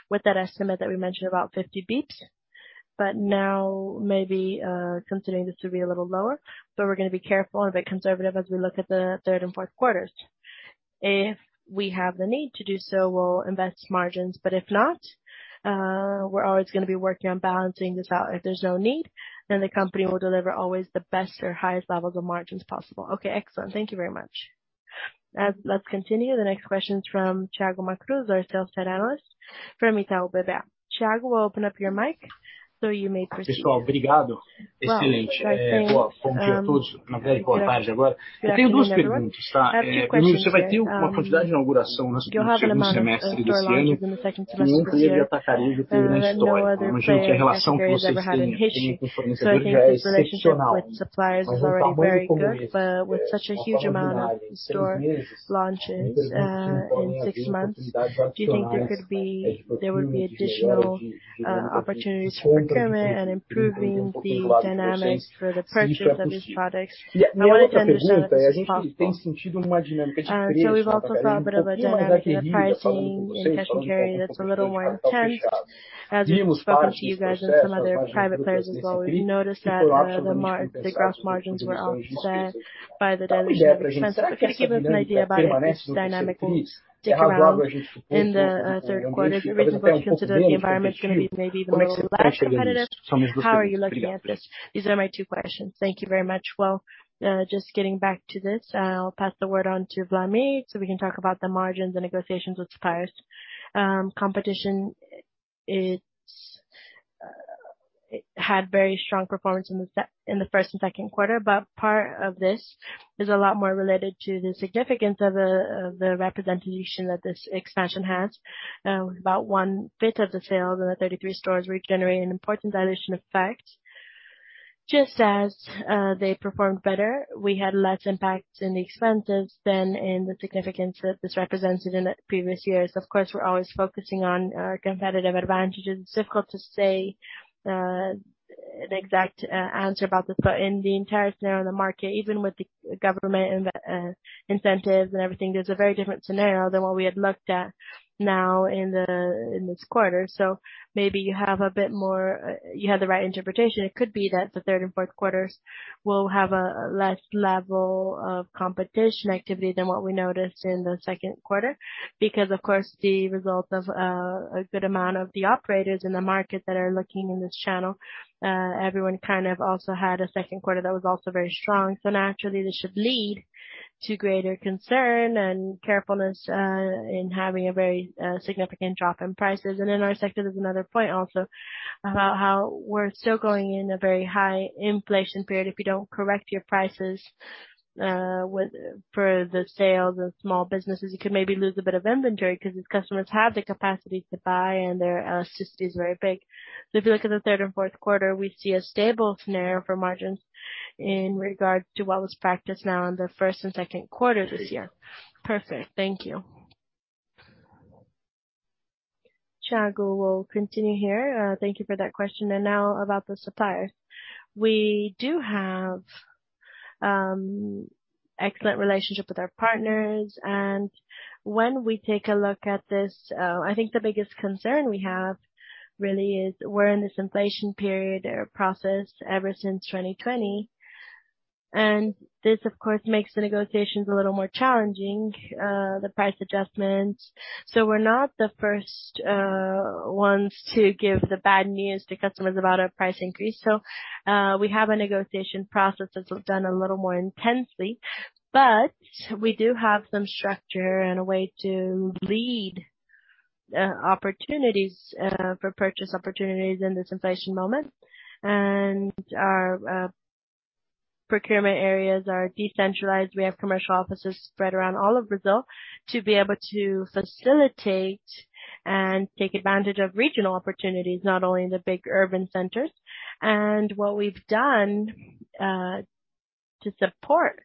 with that estimate that we mentioned, about 50 basis points. Now maybe considering this to be a little lower. We're gonna be careful and a bit conservative as we look at the third and fourth quarters. If we have the need to do so, we'll invest margins, but if not, we're always gonna be working on balancing this out. If there's no need, the company will deliver always the best or highest levels of margins possible. Okay. Excellent. Thank you very much. Let's continue. The next question is from Thiago Macruz, our sell-side analyst from Itaú BBA. Thiago, I'll open up your mic so you may proceed. Well, good afternoon. Good afternoon, everyone. A few questions here. You'll have amount of store launches in the second semester this year that no other cash & carry has ever had in history.I think this relationship with suppliers is already very good. With such a huge amount of store launches in six months, do you think there will be additional opportunities for procurement and improving the dynamics for the purchase of these products? I wanted to understand what's possible. We've also seen a bit of a dynamic in the pricing in Cash & Carry that's a little more intense. As we've spoken to you guys and some other private players as well, we've noticed that the gross margins were also by the dynamics that we've seen. Can you give us an idea about if this dynamic will stick around in the third quarter? If the reasons why you consider the environment is gonna be maybe even more less competitive, how are you looking at this? These are my two questions. Thank you very much. Just getting back to this, I'll pass the word on to Wlamir so we can talk about the margins and negotiations with suppliers. Competition, it had very strong performance in the first and second quarter, but part of this is a lot more related to the significance of the representation that this expansion has. About one-fifth of the sales in the 33 stores, we generate an important dilution effect. Just as they performed better, we had less impact in the expenses than in the significance that this represented in the previous years. Of course, we're always focusing on our competitive advantages. It's difficult to say an exact answer about this. In the entire scenario in the market, even with the government incentives and everything, there's a very different scenario than what we had looked at now in this quarter. Maybe you have a bit more, you have the right interpretation. It could be that the third and fourth quarters will have a less level of competition activity than what we noticed in the second quarter. Because of course, the result of a good amount of the operators in the market that are looking in this channel, everyone kind of also had a second quarter that was also very strong. Naturally, this should lead to greater concern and carefulness in having a very significant drop in prices. In our sector, there's another point also about how we're still going in a very high inflation period. If you don't correct your prices, for the sales of small businesses, you could maybe lose a bit of inventory 'cause these customers have the capacity to buy and their elasticity is very big. If you look at the third and fourth quarter, we see a stable scenario for margins in regard to what was practiced now in the first and second quarter this year. Perfect. Thank you. Thiago will continue here. Thank you for that question. Now about the suppliers. We do have excellent relationship with our partners. When we take a look at this, I think the biggest concern we have really is we're in this inflation period or process ever since 2020. This of course makes the negotiations a little more challenging, the price adjustments. We're not the first ones to give the bad news to customers about our price increase. We have a negotiation process that's done a little more intensely. We do have some structure and a way to lead opportunities for purchase opportunities in this inflation moment. Our procurement areas are decentralized. We have commercial offices spread around all of Brazil to be able to facilitate and take advantage of regional opportunities, not only in the big urban centers. What we've done to support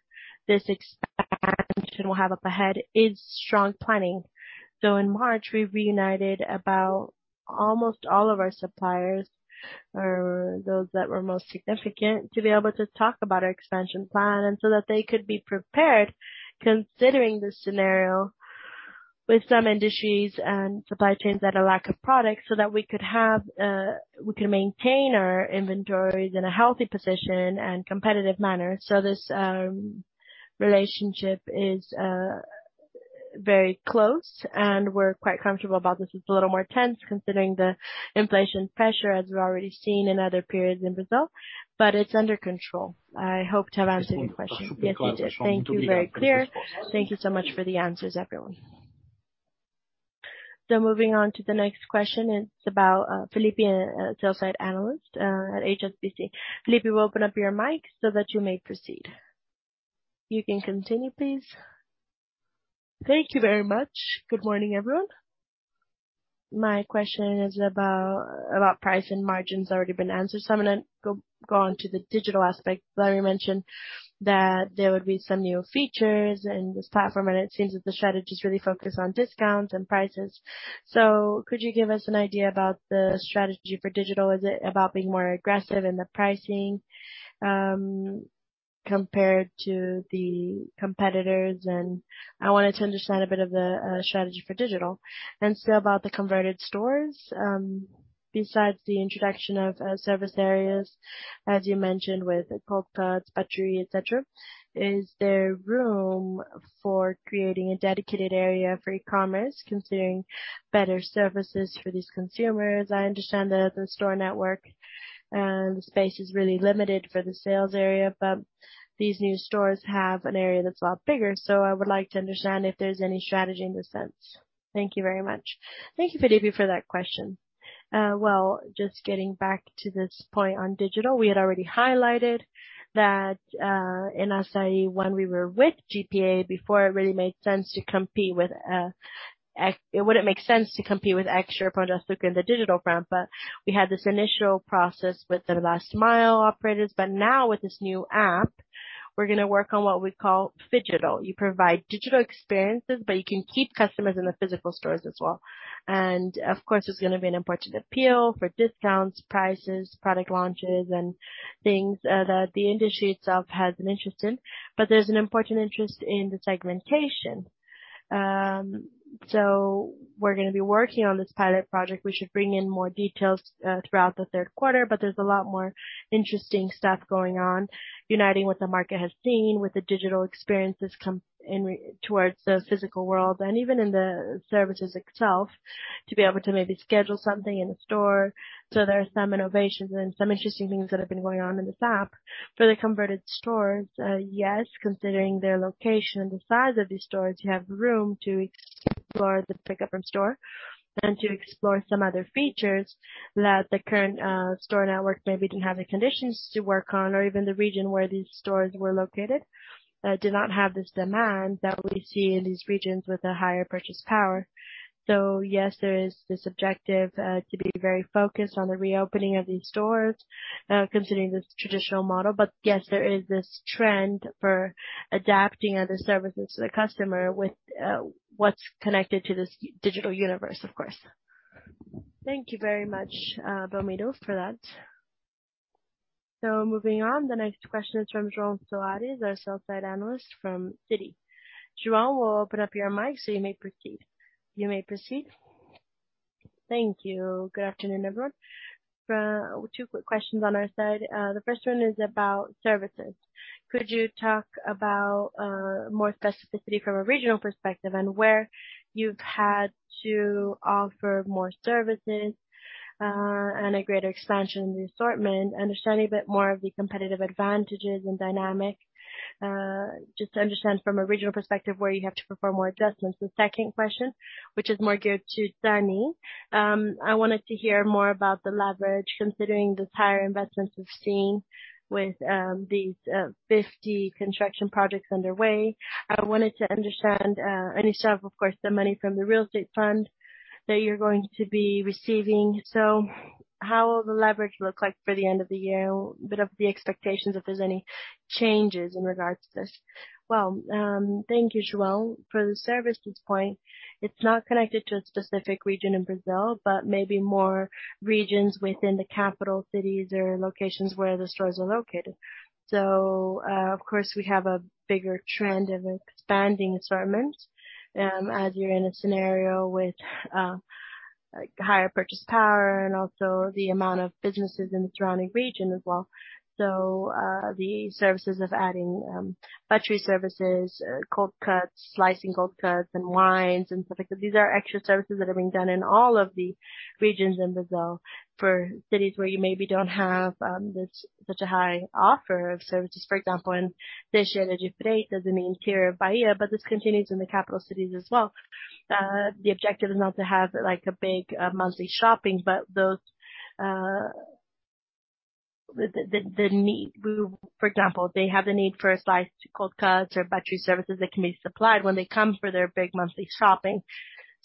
this expansion we'll have up ahead is strong planning. In March, we reunited about almost all of our suppliers or those that were most significant, to be able to talk about our expansion plan and so that they could be prepared considering the scenario with some industries and supply chains that are lacking products so that we can maintain our inventories in a healthy position and competitive manner. This relationship is very close, and we're quite comfortable about this. It's a little more tense considering the inflation pressure as we've already seen in other periods in Brazil, but it's under control. I hope to have answered your question. Yes, you did. Thank you. Very clear. Thank you so much for the answers, everyone. Moving on to the next question, it's about Felipe, a sell-side analyst at HSBC. Felipe, we'll open up your mic so that you may proceed. You can continue, please. Thank you very much. Good morning, everyone. My question is about price and margins already been answered. I'm gonna go on to the digital aspect. Wlamir dos Anjos mentioned that there would be some new features in this platform, and it seems that the strategies really focus on discounts and prices. Could you give us an idea about the strategy for digital? Is it about being more aggressive in the pricing, compared to the competitors? I wanted to understand a bit of the strategy for digital. About the converted stores, besides the introduction of service areas, as you mentioned, with cold cuts, butchery, et cetera, is there room for creating a dedicated area for e-commerce considering better services for these consumers? I understand that the store network, the space is really limited for the sales area, but these new stores have an area that's a lot bigger. I would like to understand if there's any strategy in this sense. Thank you very much. Thank you, Felipe, for that question. Just getting back to this point on digital, we had already highlighted that, in Assaí, when we were with GPA, before it really made sense to. It wouldn't make sense to compete with Extra products within the digital front, but we had this initial process with the last mile operators. Now with this new app, we're gonna work on what we call phygital. You provide digital experiences, but you can keep customers in the physical stores as well. Of course, it's gonna be an important appeal for discounts, prices, product launches and things that the industry itself has an interest in. There's an important interest in the segmentation. We're gonna be working on this pilot project. We should bring in more details throughout the third quarter, but there's a lot more interesting stuff going on, uniting what the market has seen with the digital experiences towards the physical world and even in the services itself, to be able to maybe schedule something in the store. There are some innovations and some interesting things that have been going on in this app. For the converted stores, yes, considering their location and the size of these stores, you have room to explore the pickup from store and to explore some other features that the current store network maybe didn't have the conditions to work on, or even the region where these stores were located do not have this demand that we see in these regions with a higher purchasing power. Yes, there is this objective to be very focused on the reopening of these stores, considering this traditional model. Yes, there is this trend for adapting other services to the customer with what's connected to this digital universe, of course. Thank you very much, Belmiro, for that. Moving on. The next question is from João Soares, our sell-side analyst from Citi. João, we'll open up your mic, so you may proceed. You may proceed. Thank you. Good afternoon, everyone. Two quick questions on our side. The first one is about services. Could you talk about more specificity from a regional perspective and where you've had to offer more services and a greater expansion in the assortment? Understand a bit more of the competitive advantages and dynamic, just to understand from a regional perspective where you have to perform more adjustments. The second question, which is more geared to Dani. I wanted to hear more about the leverage, considering the higher investments we've seen with these 50 construction projects underway. I wanted to understand and also of course the money from the real estate fund that you're going to be receiving. How will the leverage look like for the end of the year? A bit of the expectations, if there's any changes in regards to this. Well, thank you, João. For the services point, it's not connected to a specific region in Brazil, but maybe more regions within the capital cities or locations where the stores are located. Of course, we have a bigger trend of expanding assortments, as you're in a scenario with higher purchase power and also the amount of businesses in the surrounding region as well. The services of adding butchery services, cold cuts, slicing cold cuts and wines and stuff like that. These are extra services that are being done in all of the regions in Brazil for cities where you maybe don't have such a high offer of services. For example, in the interior of Bahia, but this continues in the capital cities as well. The objective is not to have, like, a big monthly shopping, but those the need. For example, they have the need for a slice of cold cuts or butchery services that can be supplied when they come for their big monthly shopping.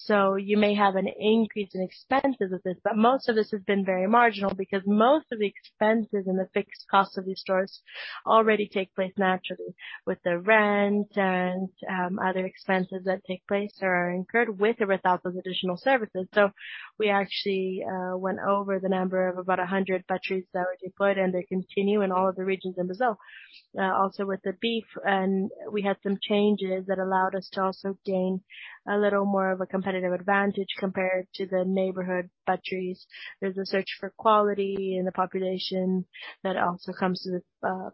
You may have an increase in expenses with this, but most of this has been very marginal because most of the expenses and the fixed costs of these stores already take place naturally with the rent and other expenses that take place or are incurred with or without those additional services. We actually went over the number of about 100 butcheries that were deployed, and they continue in all of the regions in Brazil. Also with the beef and we had some changes that allowed us to also gain a little more of a competitive advantage compared to the neighborhood butcheries. There's a search for quality in the population that also comes to the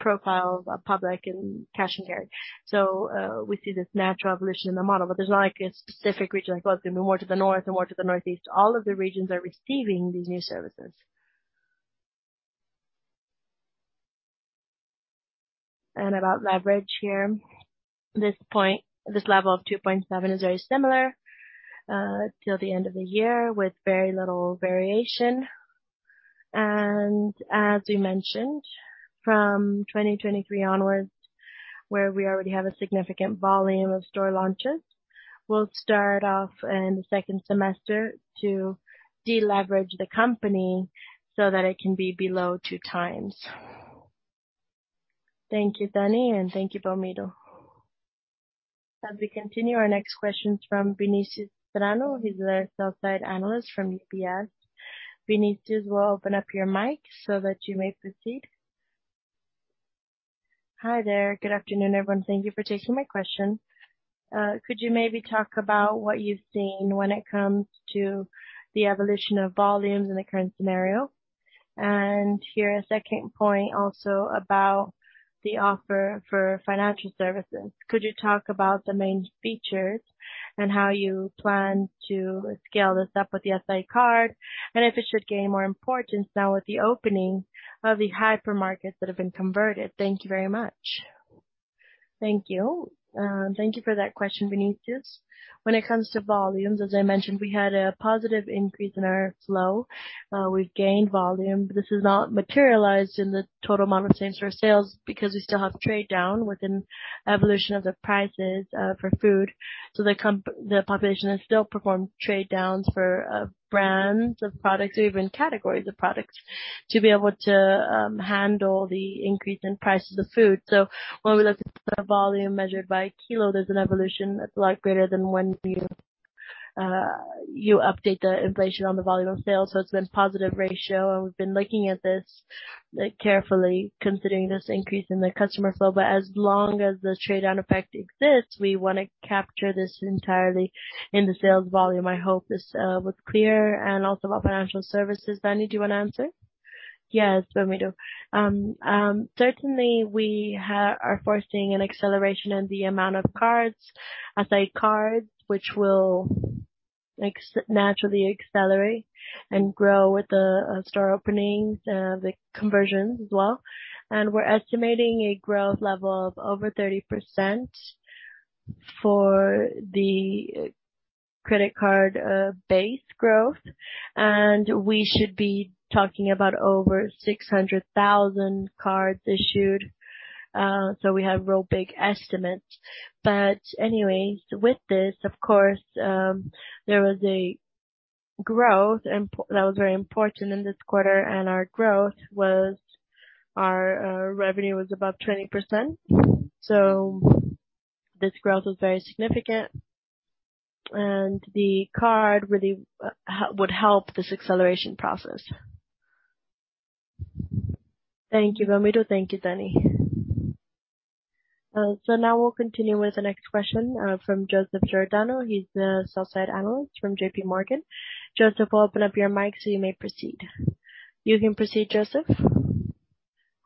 profile of a public and Cash & Carry. We see this natural evolution in the model, but there's not, like, a specific region, like, going to be more to the north and more to the northeast. All of the regions are receiving these new services. About leverage here, this level of 2.7 is very similar till the end of the year with very little variation. As we mentioned from 2023 onwards, where we already have a significant volume of store launches, we'll start off in the second semester to deleverage the company so that it can be below 2x. Thank you, Dani. Thank you, Belmiro. As we continue, our next question is from Vinicius Strano. He's the sell-side analyst from UBS. Vinicius, we'll open up your mic so that you may proceed. Hi there. Good afternoon, everyone. Thank you for taking my question. Could you maybe talk about what you've seen when it comes to the evolution of volumes in the current scenario? And here a second point also about the offer for financial services. Could you talk about the main features and how you plan to scale this up with the Passaí, and if it should gain more importance now with the opening of the hypermarkets that have been converted. Thank you very much. Thank you. Thank you for that question, Vinicius. When it comes to volumes, as I mentioned, we had a positive increase in our flow. We've gained volume. This is not materialized in the total amount of same-store sales because we still have trade down within evolution of the prices for food. The population has still performed trade downs for brands of products or even categories of products to be able to handle the increase in prices of food. When we look at the volume measured by kilo, there's an evolution that's a lot greater than when you update the inflation on the volume of sales. It's been positive ratio, and we've been looking at this carefully considering this increase in the customer flow. As long as the trade down effect exists, we wanna capture this entirely in the sales volume. I hope this was clear and also about financial services. Dani, do you wanna answer? Yes, Belmiro. Certainly we are foreseeing an acceleration in the amount of cards, Assaí cards, which will naturally accelerate and grow with the store openings, the conversions as well. We're estimating a growth level of over 30% for the credit card base growth. We should be talking about over 600,000 cards issued. We have real big estimates. Anyways, with this, of course, there was a growth impact that was very important in this quarter, and our revenue was above 20%, so this growth was very significant. The card really would help this acceleration process. Thank you, Belmiro. Thank you, Dani. Now we'll continue with the next question from Joseph Giordano. He's the sell-side analyst from JPMorgan. Joseph, we'll open up your mic so you may proceed. You can proceed, Joseph.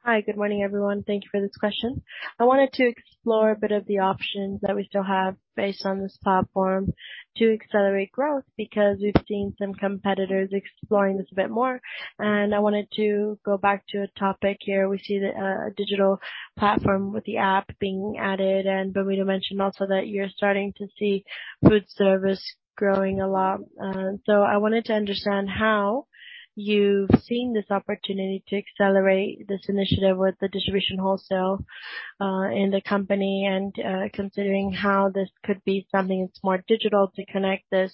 Hi. Good morning, everyone. Thank you for this question. I wanted to explore a bit of the options that we still have based on this platform to accelerate growth, because we've seen some competitors exploring this a bit more. I wanted to go back to a topic here. We see the digital platform with the app being added, and Belmiro mentioned also that you're starting to see food service growing a lot. So I wanted to understand how you've seen this opportunity to accelerate this initiative with the distribution wholesale in the company and considering how this could be something that's more digital to connect this.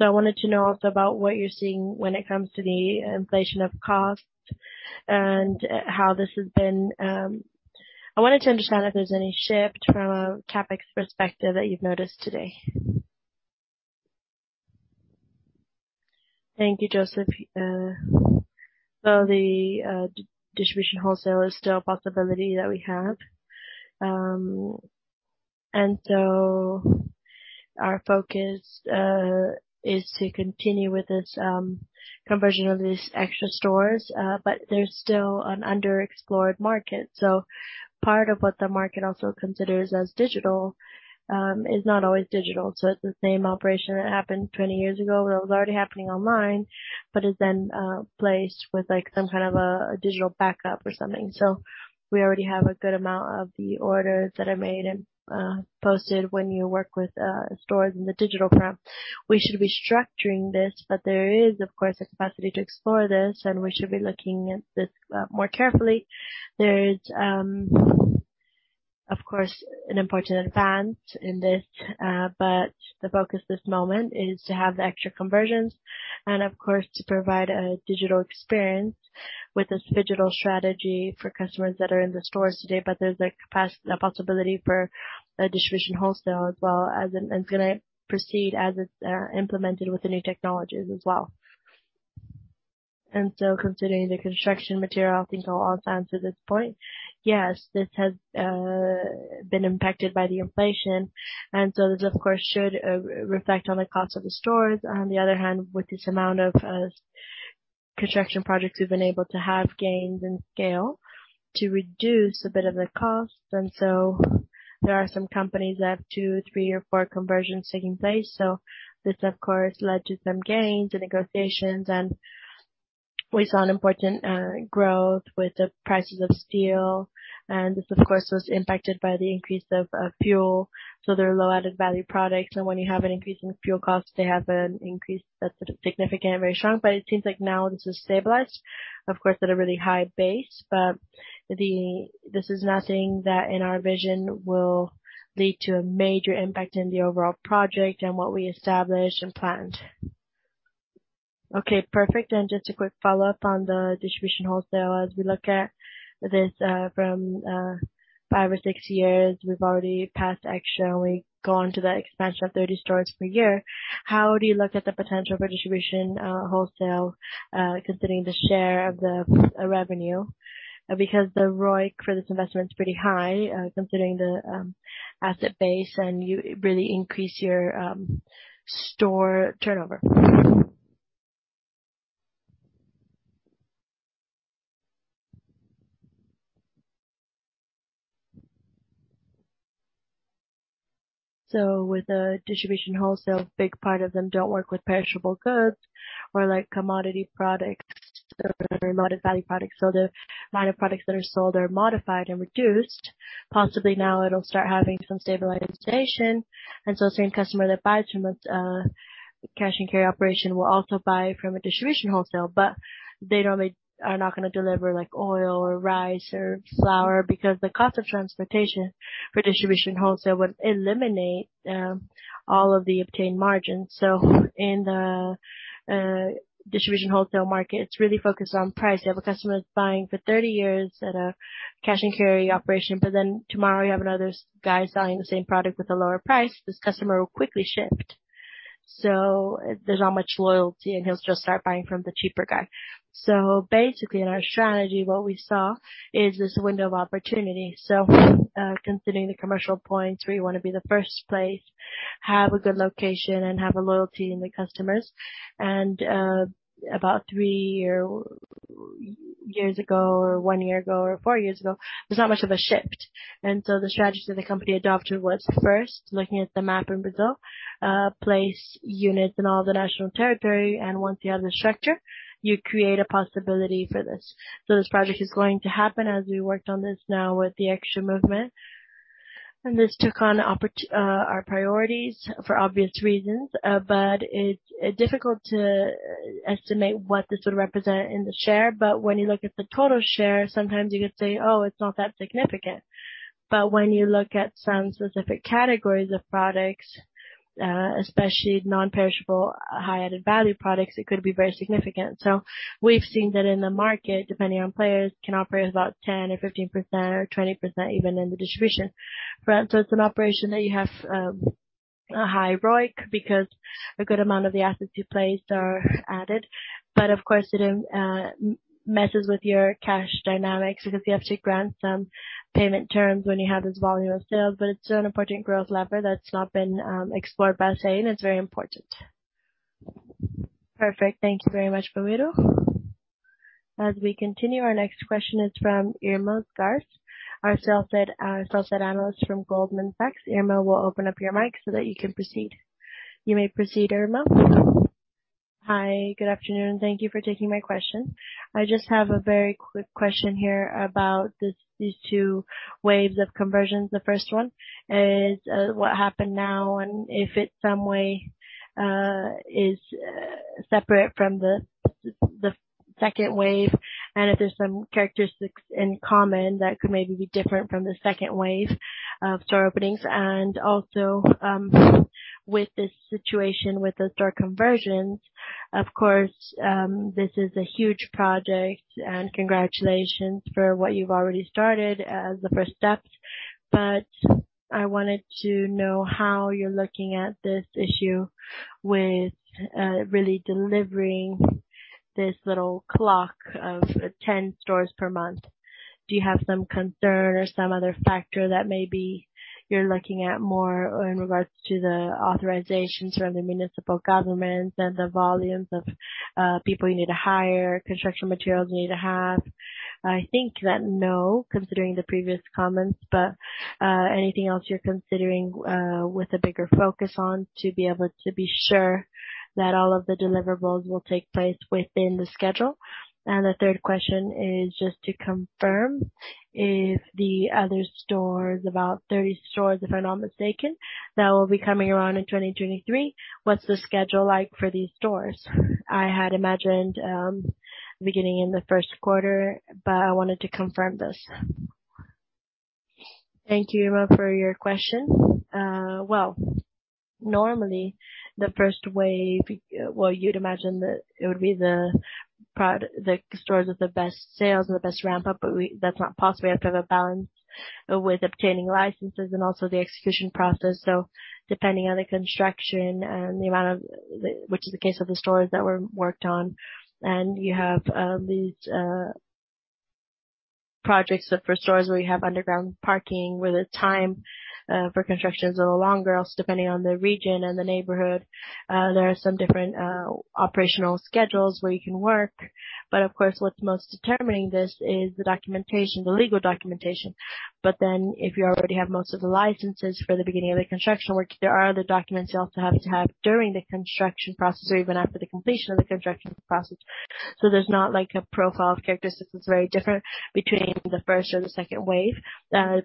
I wanted to know also about what you're seeing when it comes to the inflation of costs and how this has been, I wanted to understand if there's any shift from a CapEx perspective that you've noticed today. Thank you, Joseph. The distribution wholesale is still a possibility that we have. Our focus is to continue with this conversion of these Extra stores. But there's still an underexplored market. Part of what the market also considers as digital is not always digital. It's the same operation that happened 20 years ago that was already happening online, but is then placed with like some kind of a digital backup or something. We already have a good amount of the orders that are made and posted when you work with stores in the digital realm. We should be structuring this, but there is of course a capacity to explore this and we should be looking at this more carefully. There is of course an important advance in this, but the focus this moment is to have the Extra conversions and of course to provide a digital experience with this digital strategy for customers that are in the stores today. But there's a possibility for a wholesale distribution as well as it's gonna proceed as it's implemented with the new technologies as well. Considering the construction material, I think I'll answer this point. Yes, this has been impacted by the inflation, and so this of course should reflect on the cost of the stores. On the other hand, with this amount of construction projects, we've been able to have gains and scale to reduce a bit of the cost. There are some companies that have two, three or four conversions taking place. This of course led to some gains and negotiations and we saw an important growth with the prices of steel. This of course, was impacted by the increase of fuel. They're low added value products and when you have an increase in fuel costs, they have an increase that's significant and very strong. It seems like now this is stabilized, of course at a really high base. This is nothing that in our vision will lead to a major impact in the overall project and what we established and planned. Okay, perfect. Just a quick follow-up on the distribution wholesale. As we look at this, from five or six years, we've already passed Extra and we've gone to the expansion of 30 stores per year. How do you look at the potential for distribution wholesale, considering the share of the revenue? Because the ROIC for this investment is pretty high, considering the asset base and you really increase your store turnover. With the distribution wholesale, big part of them don't work with perishable goods or like commodity products or modified value products. The line of products that are sold are modified and reduced. Possibly now it'll start having some stabilization. Same customer that buys from a cash and carry operation will also buy from a distribution wholesale, but they normally are not gonna deliver like oil or rice or flour because the cost of transportation for distribution wholesale would eliminate all of the obtained margins. In the distribution wholesale market, it's really focused on price. You have a customer that's buying for 30 years at a cash and carry operation, but then tomorrow you have another guy selling the same product with a lower price, this customer will quickly shift. There's not much loyalty and he'll just start buying from the cheaper guy. Basically in our strategy, what we saw is this window of opportunity. Considering the commercial points where you wanna be the first place, have a good location and have a loyalty in the customers. About three years ago or one year ago or four years ago, there's not much of a shift. The strategy that the company adopted was first looking at the map in Brazil, place units in all the national territory, and once you have the structure, you create a possibility for this. This project is going to happen as we worked on this now with the Extra movement. This took on our priorities for obvious reasons. It's difficult to estimate what this would represent in the share. When you look at the total share, sometimes you could say, "Oh, it's not that significant." When you look at some specific categories of products, especially non-perishable, high added value products, it could be very significant. We've seen that in the market, depending on players can operate about 10% or 15% or 20% even in the distribution. It's an operation that you have a high ROIC because a good amount of the assets you place are added. Of course, it messes with your cash dynamics because you have to grant some payment terms when you have this volume of sales. It's an important growth lever that's not been explored by saying it's very important. Perfect. Thank you very much, Belmiro. As we continue, our next question is from Irma Sgarz, our sell-side analyst from Goldman Sachs. Irma, we'll open up your mic so that you can proceed. You may proceed, Irma. Hi. Good afternoon. Thank you for taking my question. I just have a very quick question here about this, these two waves of conversions. The first one is what happened now and if in some way is separate from the second wave, and if there's some characteristics in common that could maybe be different from the second wave of store openings. Also, with this situation with the store conversions, of course, this is a huge project and congratulations for what you've already started as the first steps. I wanted to know how you're looking at this issue with really delivering this little clock of 10 stores per month. Do you have some concern or some other factor that maybe you're looking at more in regards to the authorizations from the municipal governments and the volumes of people you need to hire, construction materials you need to have? I think that no, considering the previous comments, but anything else you're considering with a bigger focus on to be able to be sure that all of the deliverables will take place within the schedule. The third question is just to confirm if the other stores, about 30 stores, if I'm not mistaken, that will be coming around in 2023. What's the schedule like for these stores? I had imagined beginning in the first quarter, but I wanted to confirm this. Thank you, Irma, for your question. Well, normally the first wave. Well, you'd imagine that it would be the stores with the best sales and the best ramp up, but that's not possible. We have to have a balance with obtaining licenses and also the execution process. Depending on the construction and the amount of which is the case of the stores that were worked on. You have these projects for stores where you have underground parking, where the time for construction is a little longer. Depending on the region and the neighborhood, there are some different operational schedules where you can work. Of course, what's most determining this is the documentation, the legal documentation. If you already have most of the licenses for the beginning of the construction work, there are other documents you also have to have during the construction process or even after the completion of the construction process. There's not like a profile of characteristics that's very different between the first or the second wave.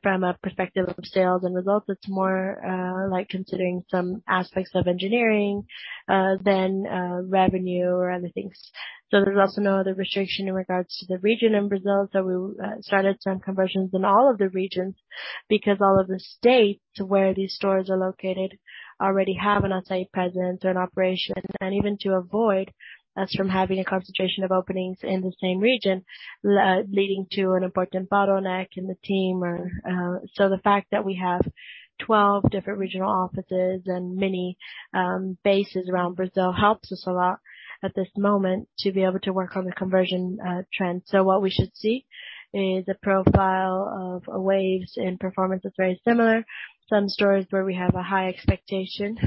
From a perspective of sales and results, it's more like considering some aspects of engineering than revenue or other things. There's also no other restriction in regards to the region in Brazil. We started some conversions in all of the regions because all of the states where these stores are located already have an Assaí presence or an operation. Even to avoid us from having a concentration of openings in the same region, leading to an important bottleneck in the team. The fact that we have 12 different regional offices and many bases around Brazil helps us a lot at this moment to be able to work on the conversion trend. What we should see is a profile of waves and performance that's very similar. Some stores where we have a high expectation,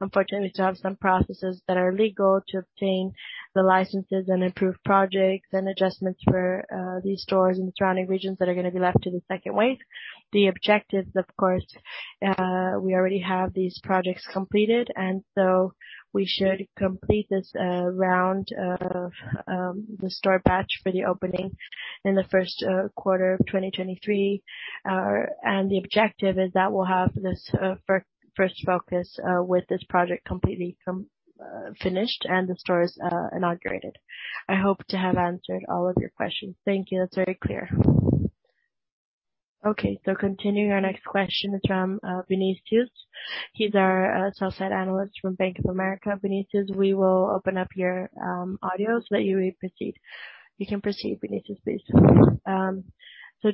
unfortunately we still have some processes that are legal to obtain the licenses and improve projects and adjustments for these stores in the surrounding regions that are gonna be left to the second wave. The objective, of course, we already have these projects completed, and so we should complete this round of the store batch for the opening in the first quarter of 2023. The objective is that we'll have this first focus with this project completely finished and the stores inaugurated. I hope to have answered all of your questions. Thank you. That's very clear. Okay, continuing, our next question is from Vinicius. He's our sell-side analyst from Bank of America. Vinicius, we will open up your audio so that you may proceed. You can proceed, Vinicius, please.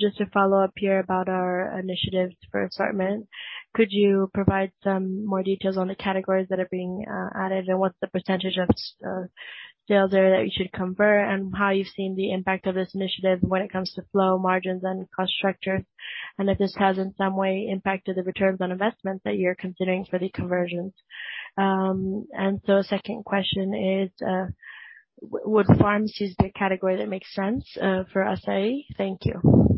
Just to follow up here about our initiatives for assortment, could you provide some more details on the categories that are being added and what's the percentage of sales there that you should convert? How have you seen the impact of this initiative when it comes to flow margins and cost structure, and if this has in some way impacted the returns on investment that you're considering for the conversions? The second question is, would pharmacies be a category that makes sense for Assaí? Thank you.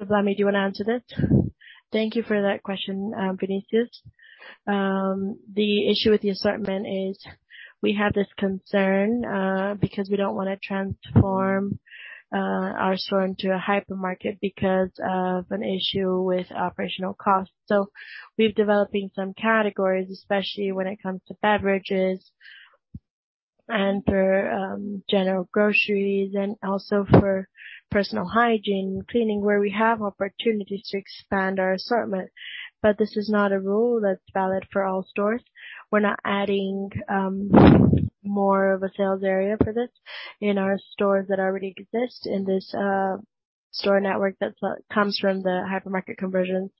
Wlamir dos Anjos, do you wanna answer this? Thank you for that question, Vinicius. The issue with the assortment is that we have this concern because we don't wanna transform our store into a hypermarket because of an issue with operational costs. We're developing some categories, especially when it comes to beverages, general groceries, and also for personal hygiene, and cleaning, where we have opportunities to expand our assortment. This is not a rule that's valid for all stores. We're not adding more of a sales area for this in our stores that already exist in this store network, which comes from the hypermarket conversions.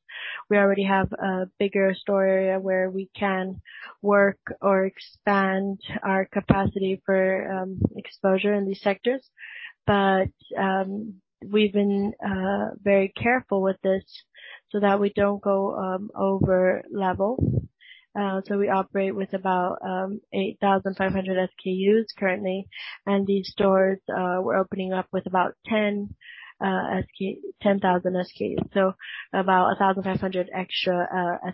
We already have a bigger store area where we can work or expand our capacity for exposure in these sectors. We've been very careful with this so that we don't go over level. We operate with about 8,500 SKUs currently. These stores we're opening up with about 10,000 SKUs, so about 1,500 extra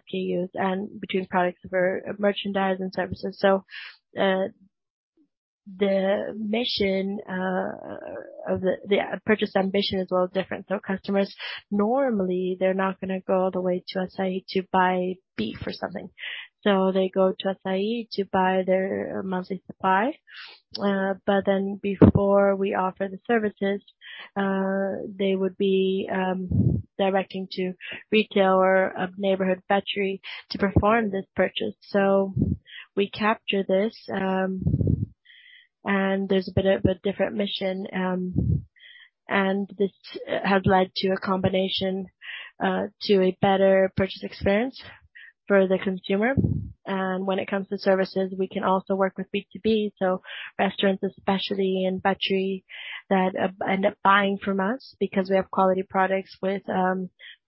SKUs and between products for merchandise and services. The mission of the purchase basket is a little different. Customers, normally, they're not gonna go all the way to Assaí to buy beef or something. They go to Assaí to buy their monthly supply. Before we offer the services, they would be directed to a retailer of neighborhood butchery to perform this purchase. We capture this, and there's a bit of a different mix, and this has led to a better purchase experience for the consumer. When it comes to services, we can also work with B2B, so restaurants especially and butchery that end up buying from us because we have quality products with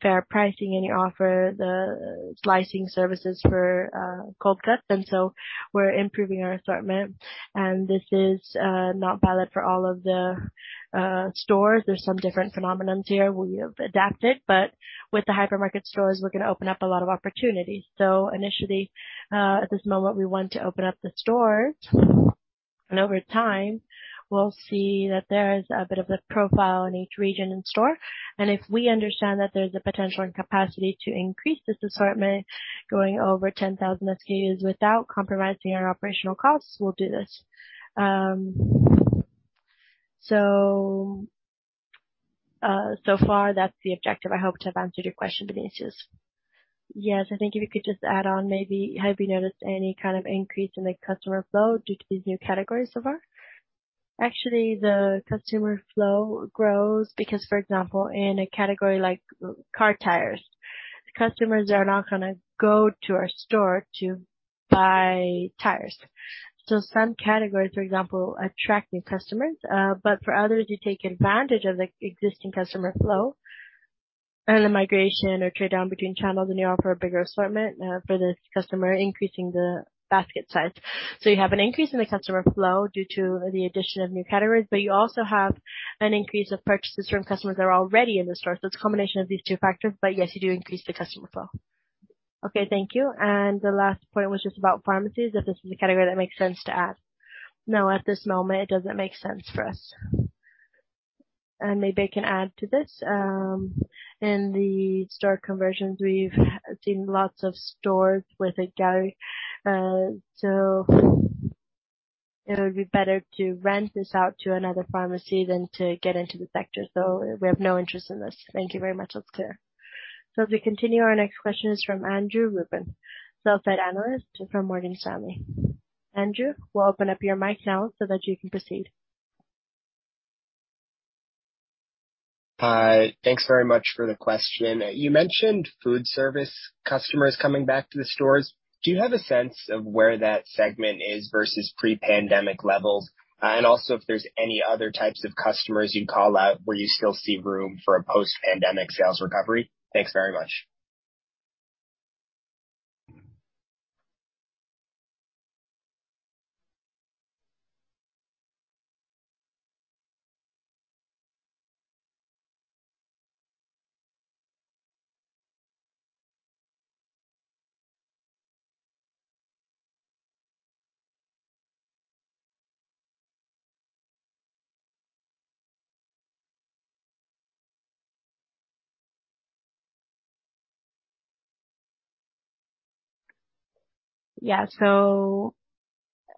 fair pricing, and you offer the slicing services for cold cuts. We're improving our assortment. This is not valid for all of the stores. There's some different phenomena here we have adapted. With the hypermarket stores, we're gonna open up a lot of opportunities. Initially, at this moment, we want to open up the stores. Over time, we'll see that there's a bit of a profile in each region and store. If we understand that there's a potential and capacity to increase this assortment going over 10,000 SKUs without compromising our operational costs, we'll do this. So far that's the objective. I hope to have answered your question, Vinicius. Yes. I think if you could just add on, maybe have you noticed any kind of increase in the customer flow due to these new categories so far? Actually, the customer flow grows because, for example, in a category like car tires, customers are not gonna go to our store to buy tires. Some categories, for example, attract new customers, but for others, you take advantage of the existing customer flow and the migration or trade-down between channels, and you offer a bigger assortment, for the customer, increasing the basket size. You have an increase in the customer flow due to the addition of new categories, but you also have an increase of purchases from customers that are already in the store. It's a combination of these two factors, but yes, you do increase the customer flow. Okay. Thank you. The last point was just about pharmacies, if this is a category that makes sense to add. No, at this moment, it doesn't make sense for us. Maybe I can add to this. In the store conversions, we've seen lots of stores with a gallery. It would be better to rent this out to another pharmacy than to get into the sector. We have no interest in this. Thank you very much. That's clear. As we continue, our next question is from Andrew Ruben, sell-side analyst from Morgan Stanley. Andrew, we'll open up your mic now so that you can proceed. Thanks very much for the question. You mentioned food service customers coming back to the stores. Do you have a sense of where that segment is versus pre-pandemic levels? And also, if there's any other types of customers you'd call out where you still see room for a post-pandemic sales recovery. Thanks very much.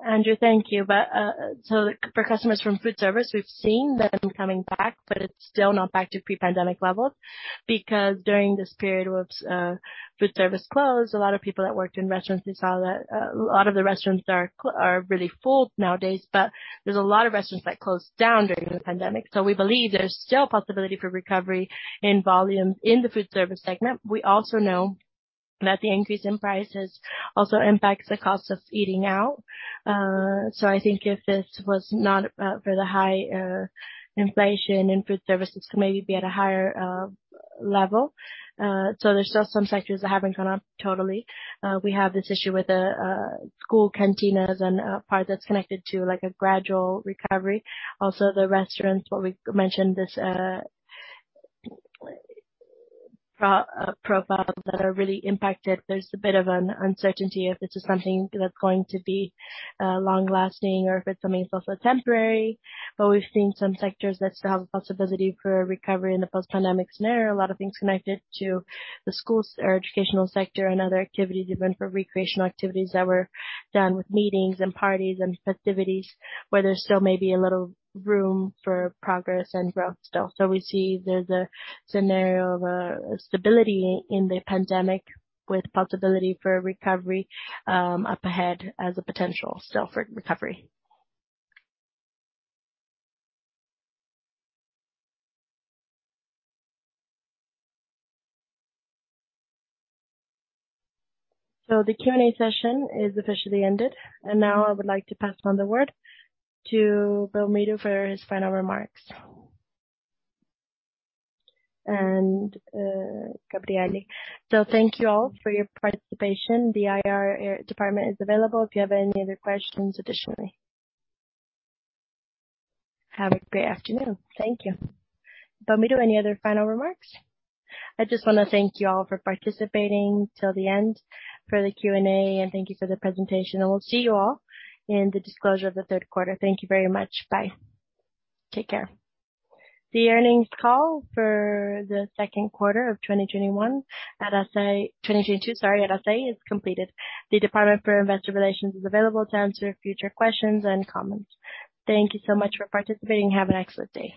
Andrew, thank you. For customers from food service, we've seen them coming back, but it's still not back to pre-pandemic levels because during this period, which food service closed, a lot of people that worked in restaurants. We saw that a lot of the restaurants are really full nowadays, but there's a lot of restaurants that closed down during the pandemic. We believe there's still a possibility for recovery in volume in the food service segment. We also know that the increase in prices also impacts the cost of eating out. I think if this was not for the high inflation in food services, it could maybe be at a higher level. There's still some sectors that haven't gone up totally. We have this issue with the school cantinas and a part that's connected to, like, a gradual recovery. Also, the restaurants, what we mentioned, these profiles that are really impacted. There's a bit of uncertainty if this is something that's going to be long-lasting or if it's something that's also temporary. We've seen some sectors that still have a possibility for recovery in the post-pandemic scenario. A lot of things are connected to the schools or educational sector and other activities, even for recreational activities that were done with meeting, parties, and festivities, where there's still maybe a little room for progress and growth still. We see there's a scenario of stability in the pandemic with possibility for recovery up ahead as a potential still for recovery. The Q&A session is officially ended, and now I would like to pass on the word to Belmiro for his final remarks. Gabrielle. Thank you all for your participation. The IR department is available if you have any other questions additionally. Have a great afternoon. Thank you. Belmiro, any other final remarks? I just wanna thank you all for participating till the end for the Q&A, and thank you for the presentation. We'll see you all in the disclosure of the third quarter. Thank you very much. Bye. Take care. The earnings call for the second quarter of 2022 at Assaí is completed. The department for investor relations is available to answer future questions and comments. Thank you so much for participating, and have an excellent day.